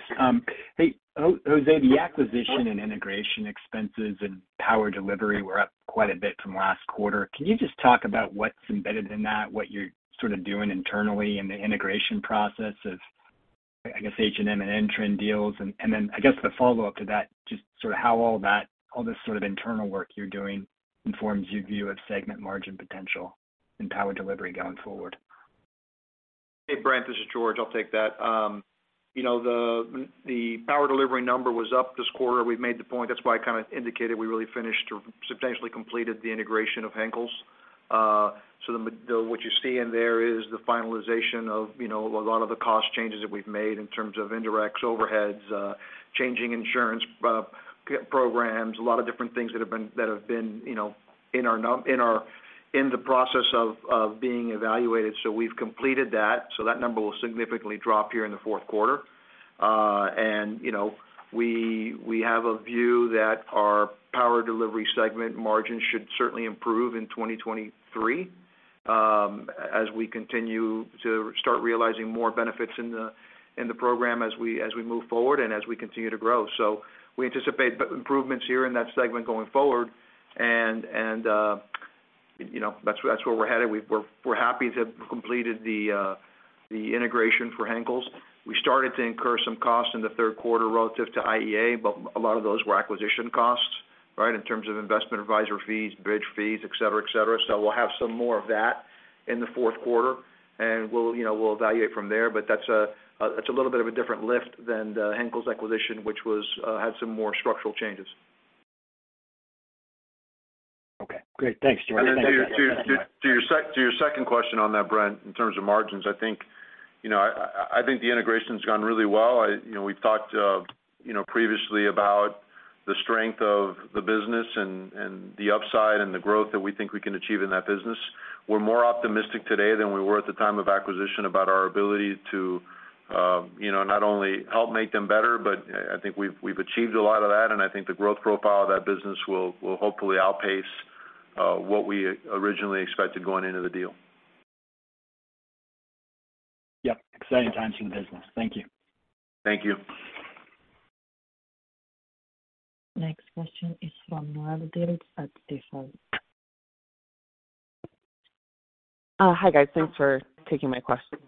Hey, José, the acquisition and integration expenses and power delivery were up quite a bit from last quarter. Can you just talk about what's embedded in that, what you're sort of doing internally in the integration process of, I guess, Henkels & McCoy and Intren deals? And then I guess the follow-up to that, just sort of how all that, all this sort of internal work you're doing informs your view of segment margin potential in power delivery going forward. Hey, Brent Thielman, this is George Pita. I'll take that. You know, the power delivery number was up this quarter. We've made the point. That's why I kind of indicated we really finished or substantially completed the integration of Henkels & McCoy. What you're seeing there is the finalization of, you know, a lot of the cost changes that we've made in terms of indirects, overheads, changing insurance programs, a lot of different things that have been, you know, in the process of being evaluated. We've completed that. That number will significantly drop here in the fourth quarter. You know, we have a view that our power delivery segment margin should certainly improve in 2023, as we continue to start realizing more benefits in the program as we move forward and as we continue to grow. We anticipate improvements here in that segment going forward and you know, that's where we're headed. We're happy to have completed the integration for Henkels & McCoy. We started to incur some costs in the third quarter relative to IEA, but a lot of those were acquisition costs. Right? In terms of investment advisor fees, bridge fees, et cetera, et cetera. We'll have some more of that in the fourth quarter, and we'll evaluate from there. That's a little bit of a different lift than the Henkels & McCoy acquisition, which had some more structural changes. Okay, great. Thanks, George. To your second question on that, Brent Thielman, in terms of margins, I think the integration's gone really well. We've talked previously about the strength of the business and the upside and the growth that we think we can achieve in that business. We're more optimistic today than we were at the time of acquisition about our ability to not only help make them better, but I think we've achieved a lot of that, and I think the growth profile of that business will hopefully outpace what we originally expected going into the deal. Yep. Exciting times in business. Thank you. Thank you. Next question is from Noelle Dilts at Jefferies. Hi, guys. Thanks for taking my question.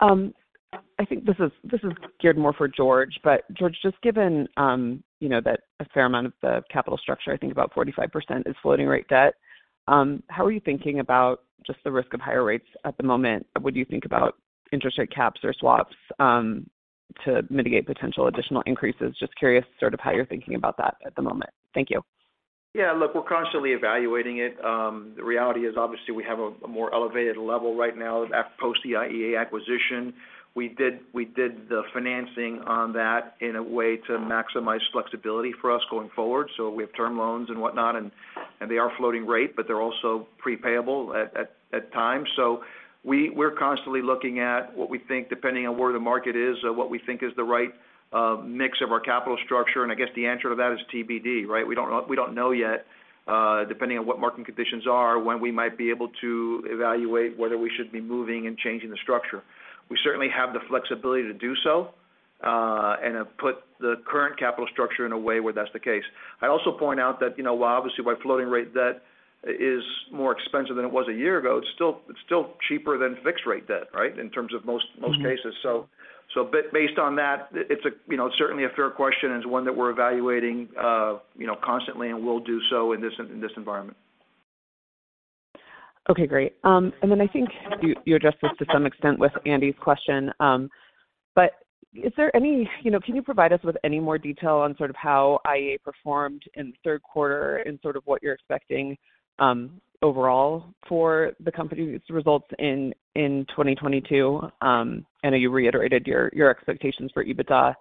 I think this is geared more for George. George, just given you know that a fair amount of the capital structure, I think about 45% is floating rate debt, how are you thinking about just the risk of higher rates at the moment? Would you think about interest rate caps or swaps to mitigate potential additional increases? Just curious sort of how you're thinking about that at the moment. Thank you. Yeah, look, we're constantly evaluating it. The reality is, obviously, we have a more elevated level right now post the IEA acquisition. We did the financing on that in a way to maximize flexibility for us going forward. We have term loans and whatnot, and they are floating rate, but they're also prepayable at times. We're constantly looking at what we think, depending on where the market is or what we think is the right mix of our capital structure, and I guess the answer to that is TBD, right? We don't know yet, depending on what market conditions are, when we might be able to evaluate whether we should be moving and changing the structure. We certainly have the flexibility to do so, and have put the current capital structure in a way where that's the case. I also point out that, you know, while obviously while floating rate debt is more expensive than it was a year ago, it's still cheaper than fixed rate debt, right, in terms of most cases. So based on that, it's a, you know, it's certainly a fair question and it's one that we're evaluating, you know, constantly and will do so in this environment. Okay, great. I think you addressed this to some extent with Andy's question. Is there any? You know, can you provide us with any more detail on sort of how IEA performed in third quarter and sort of what you're expecting, overall for the company's results in 2022? I know you reiterated your expectations for EBITDA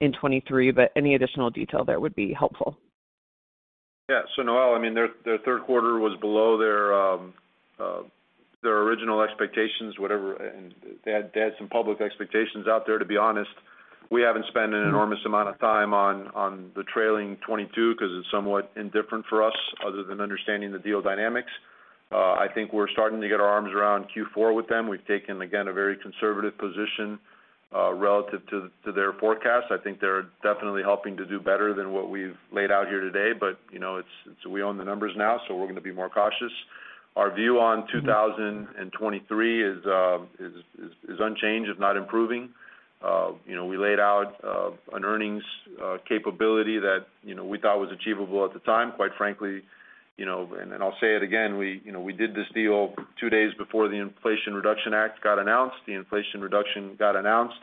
in 2023, but any additional detail there would be helpful. Yeah. Noelle, I mean, their third quarter was below their original expectations, whatever. They had some public expectations out there, to be honest. We haven't spent an enormous amount of time on the trailing 2022 'cause it's somewhat indifferent for us other than understanding the deal dynamics. I think we're starting to get our arms around Q4 with them. We've taken, again, a very conservative position relative to their forecast. I think they're definitely helping to do better than what we've laid out here today. You know, it's we own the numbers now, so we're gonna be more cautious. Our view on 2023 is unchanged, if not improving. You know, we laid out an earnings capability that, you know, we thought was achievable at the time, quite frankly, you know. I'll say it again, we, you know, we did this deal two days before the Inflation Reduction Act got announced. The Inflation Reduction Act got announced,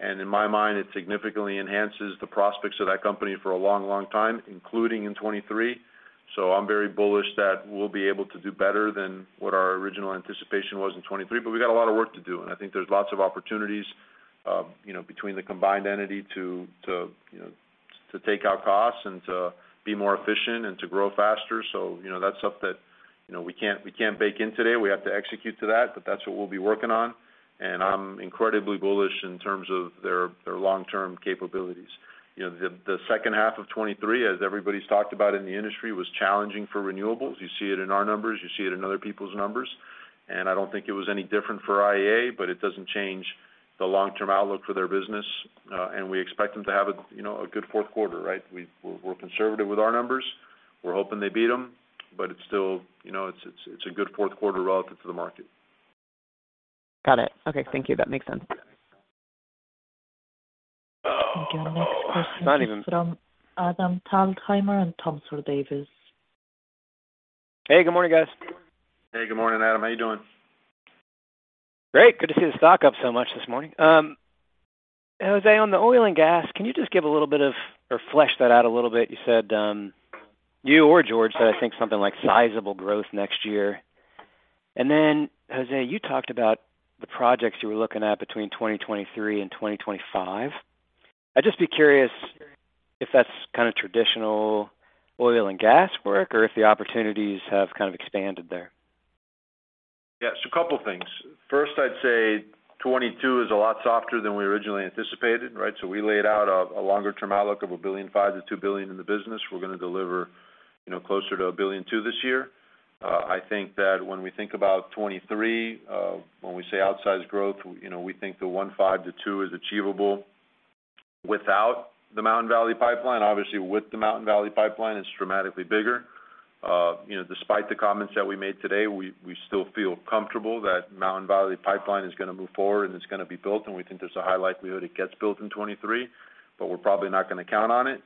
and in my mind, it significantly enhances the prospects of that company for a long, long time, including in 2023. I'm very bullish that we'll be able to do better than what our original anticipation was in 2023. We got a lot of work to do, and I think there's lots of opportunities, you know, between the combined entity to take out costs and to be more efficient and to grow faster. You know, that's stuff that, you know, we can't bake in today. We have to execute to that, but that's what we'll be working on. I'm incredibly bullish in terms of their long-term capabilities. You know, the second half of 2023, as everybody's talked about in the industry, was challenging for renewables. You see it in our numbers, you see it in other people's numbers. I don't think it was any different for IEA, but it doesn't change the long-term outlook for their business. We expect them to have you know, a good fourth quarter, right? We're conservative with our numbers. We're hoping they beat them, but it's still you know, a good fourth quarter relative to the market. Got it. Okay, thank you. That makes sense. Thank you. Next question is from Adam Thalhimer at Thompson Davis & Co. Hey, good morning, guys. Hey, good morning, Adam. How you doing? Great. Good to see the stock up so much this morning. José, on the oil and gas, can you just flesh that out a little bit? You said, you or George said, I think something like sizable growth next year. Then, José, you talked about the projects you were looking at between 2023 and 2025. I'd just be curious if that's kind of traditional oil and gas work or if the opportunities have kind of expanded there. Yeah. A couple things. First, I'd say 2022 is a lot softer than we originally anticipated, right? We laid out a longer-term outlook of $1.5 billion-$2 billion in the business. We're gonna deliver, you know, closer to $1.2 billion this year. I think that when we think about 2023, when we say outsized growth, you know, we think the $1.5-$2 billion is achievable without the Mountain Valley Pipeline. Obviously, with the Mountain Valley Pipeline, it's dramatically bigger. You know, despite the comments that we made today, we still feel comfortable that Mountain Valley Pipeline is gonna move forward and it's gonna be built, and we think there's a high likelihood it gets built in 2023, but we're probably not gonna count on it.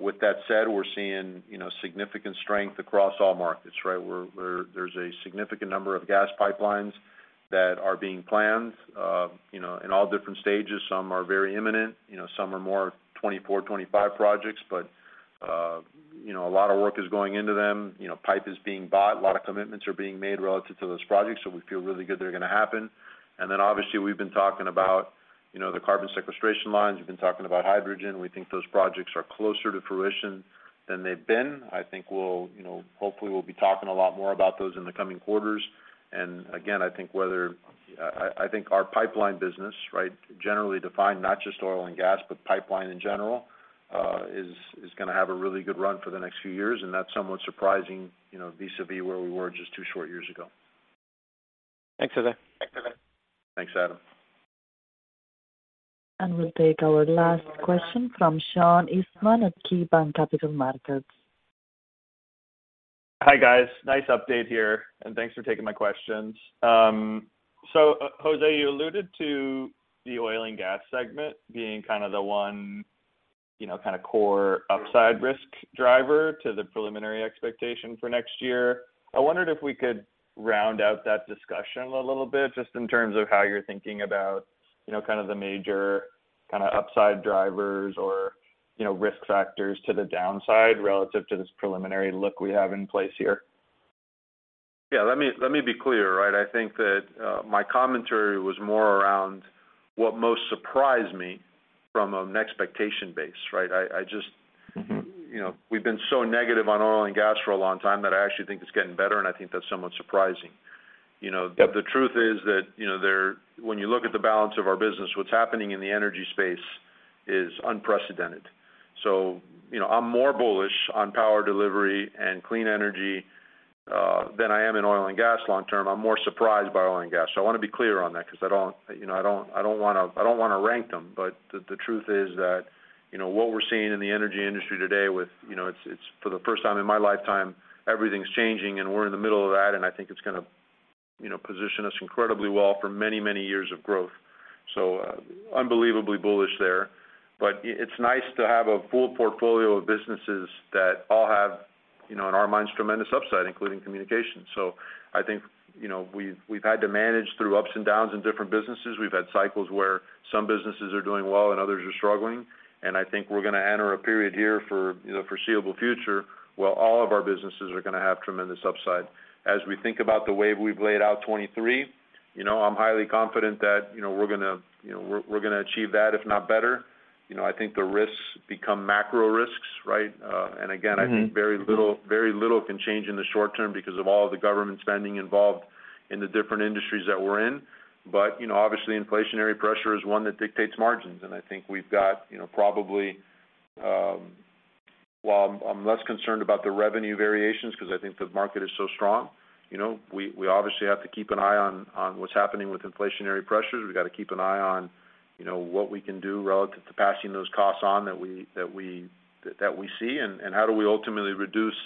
With that said, we're seeing, you know, significant strength across all markets, right? There's a significant number of gas pipelines that are being planned, you know, in all different stages. Some are very imminent, you know, some are more 2024, 2025 projects. You know, a lot of work is going into them. You know, pipe is being bought, a lot of commitments are being made relative to those projects, so we feel really good they're gonna happen. Obviously, we've been talking about, you know, the carbon sequestration lines. We've been talking about hydrogen. We think those projects are closer to fruition than they've been. I think we'll, you know, hopefully, we'll be talking a lot more about those in the coming quarters. Again, I think our pipeline business, right, generally defined, not just oil and gas, but pipeline in general, is gonna have a really good run for the next few years, and that's somewhat surprising, you know, vis-a-vis where we were just two short years ago. Thanks, José. Thanks, Adam. We'll take our last question from Sean Eastman at KeyBanc Capital Markets. Hi, guys. Nice update here, and thanks for taking my questions. José, you alluded to the oil and gas segment being kind of the one, you know, kind of core upside risk driver to the preliminary expectation for next year. I wondered if we could round out that discussion a little bit just in terms of how you're thinking about, you know, kind of the major kinda upside drivers or, you know, risk factors to the downside relative to this preliminary look we have in place here. Yeah, let me be clear, right? I think that my commentary was more around what most surprised me from an expectations basis, right? I just, you know, we've been so negative on oil and gas for a long time that I actually think it's getting better, and I think that's somewhat surprising. You know, the truth is that, you know, when you look at the balance of our business, what's happening in the energy space is unprecedented. You know, I'm more bullish on power delivery and clean energy than I am on oil and gas long term. I'm more surprised by oil and gas. I wanna be clear on that 'cause I don't, you know, wanna rank them. The truth is that, you know, what we're seeing in the energy industry today with, you know, it's for the first time in my lifetime, everything's changing and we're in the middle of that, and I think it's gonna, you know, position us incredibly well for many years of growth. Unbelievably bullish there. It's nice to have a full portfolio of businesses that all have, you know, in our minds, tremendous upside, including communication. I think, you know, we've had to manage through ups and downs in different businesses. We've had cycles where some businesses are doing well and others are struggling, and I think we're gonna enter a period here for, you know, the foreseeable future, where all of our businesses are gonna have tremendous upside. As we think about the way we've laid out 2023, you know, I'm highly confident that, you know, we're gonna achieve that, if not better. You know, I think the risks become macro risks, right? Mm-hmm. I think very little can change in the short term because of all the government spending involved in the different industries that we're in. You know, obviously, inflationary pressure is one that dictates margins. I think we've got, you know, probably. Well, I'm less concerned about the revenue variations because I think the market is so strong. You know, we obviously have to keep an eye on what's happening with inflationary pressures. We've got to keep an eye on, you know, what we can do relative to passing those costs on that we see, and how do we ultimately reduce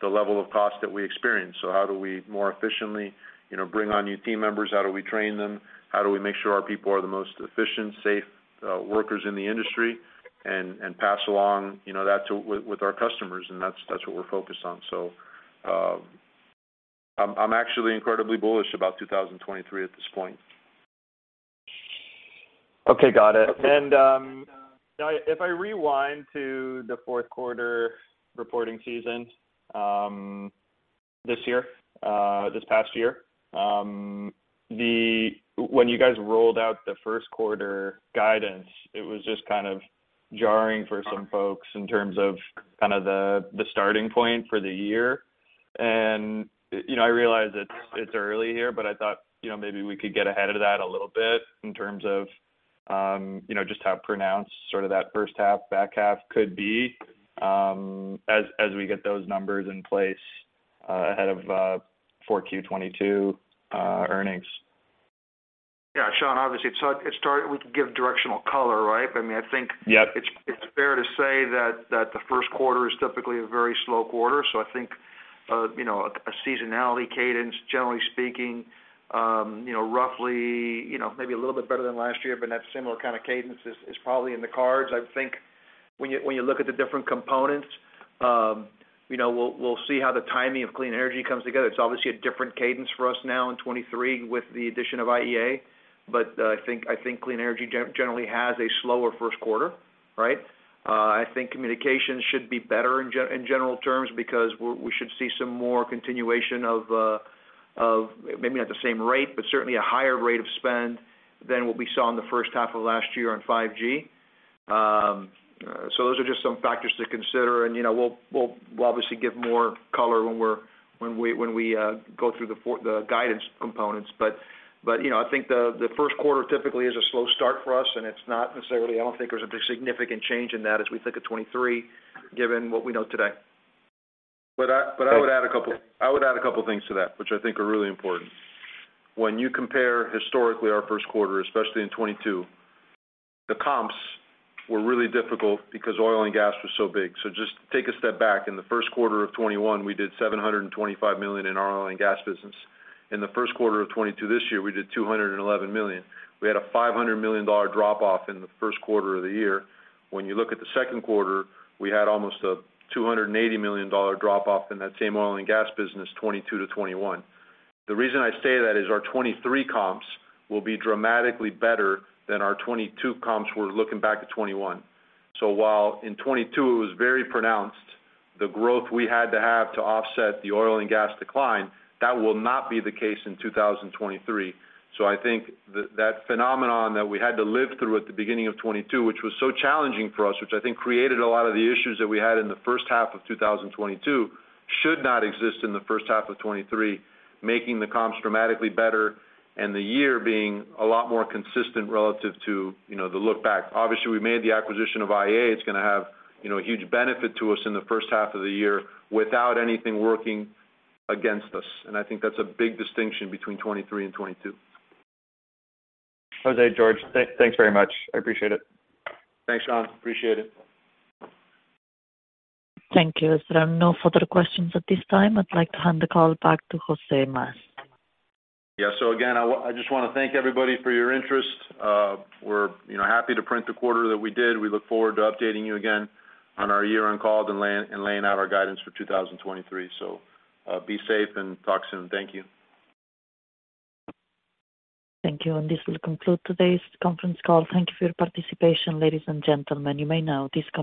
the level of cost that we experience? How do we more efficiently, you know, bring on new team members? How do we train them? How do we make sure our people are the most efficient, safe, workers in the industry and pass along, you know, that with our customers? That's what we're focused on. I'm actually incredibly bullish about 2023 at this point. Okay, got it. If I rewind to the fourth quarter reporting season, this past year, when you guys rolled out the first quarter guidance, it was just kind of jarring for some folks in terms of kind of the starting point for the year. You know, I realize it's early here, but I thought, you know, maybe we could get ahead of that a little bit in terms of, you know, just how pronounced sort of that first half, back half could be, as we get those numbers in place, ahead of 4Q 2022 earnings. Yeah. Sean, obviously, it started. We can give directional color, right? I mean, I think- Yep. It's fair to say that the first quarter is typically a very slow quarter. I think you know a seasonality cadence generally speaking you know roughly you know maybe a little bit better than last year but that similar kind of cadence is probably in the cards. I think when you look at the different components we'll see how the timing of clean energy comes together. It's obviously a different cadence for us now in 2023 with the addition of IEA but I think clean energy generally has a slower first quarter right? I think communication should be better in general terms because we should see some more continuation of maybe not the same rate, but certainly a higher rate of spend than what we saw in the first half of last year on 5G. Those are just some factors to consider. You know, we'll obviously give more color when we go through the guidance components. You know, I think the first quarter typically is a slow start for us, and it's not necessarily. I don't think there's a big significant change in that as we think of 2023, given what we know today. Thanks. I would add a couple things to that which I think are really important. When you compare historically our first quarter, especially in 2022, the comps were really difficult because oil and gas was so big. Just take a step back. In the first quarter of 2021, we did $725 million in our oil and gas business. In the first quarter of 2022, this year, we did $211 million. We had a $500 million drop off in the first quarter of the year. When you look at the second quarter, we had almost a $280 million drop off in that same oil and gas business, 2022 to 2021. The reason I say that is our 2023 comps will be dramatically better than our 2022 comps were looking back to 2021. While in 2022, it was very pronounced, the growth we had to have to offset the oil and gas decline, that will not be the case in 2023. I think that phenomenon that we had to live through at the beginning of 2022, which was so challenging for us, which I think created a lot of the issues that we had in the first half of 2022, should not exist in the first half of 2023, making the comps dramatically better and the year being a lot more consistent relative to, you know, the look back. Obviously, we made the acquisition of IEA. It's gonna have, you know, a huge benefit to us in the first half of the year without anything working against us. I think that's a big distinction between 2023 and 2022. José Mas, George Pita, thanks very much. I appreciate it. Thanks, Sean. Appreciate it. Thank you. As there are no further questions at this time, I'd like to hand the call back to José Mas. Yeah. Again, I just wanna thank everybody for your interest. We're, you know, happy to print the quarter that we did. We look forward to updating you again on our year-end call and laying out our guidance for 2023. Be safe and talk soon. Thank you. Thank you. This will conclude today's conference call. Thank you for your participation, ladies and gentlemen. You may now disconnect.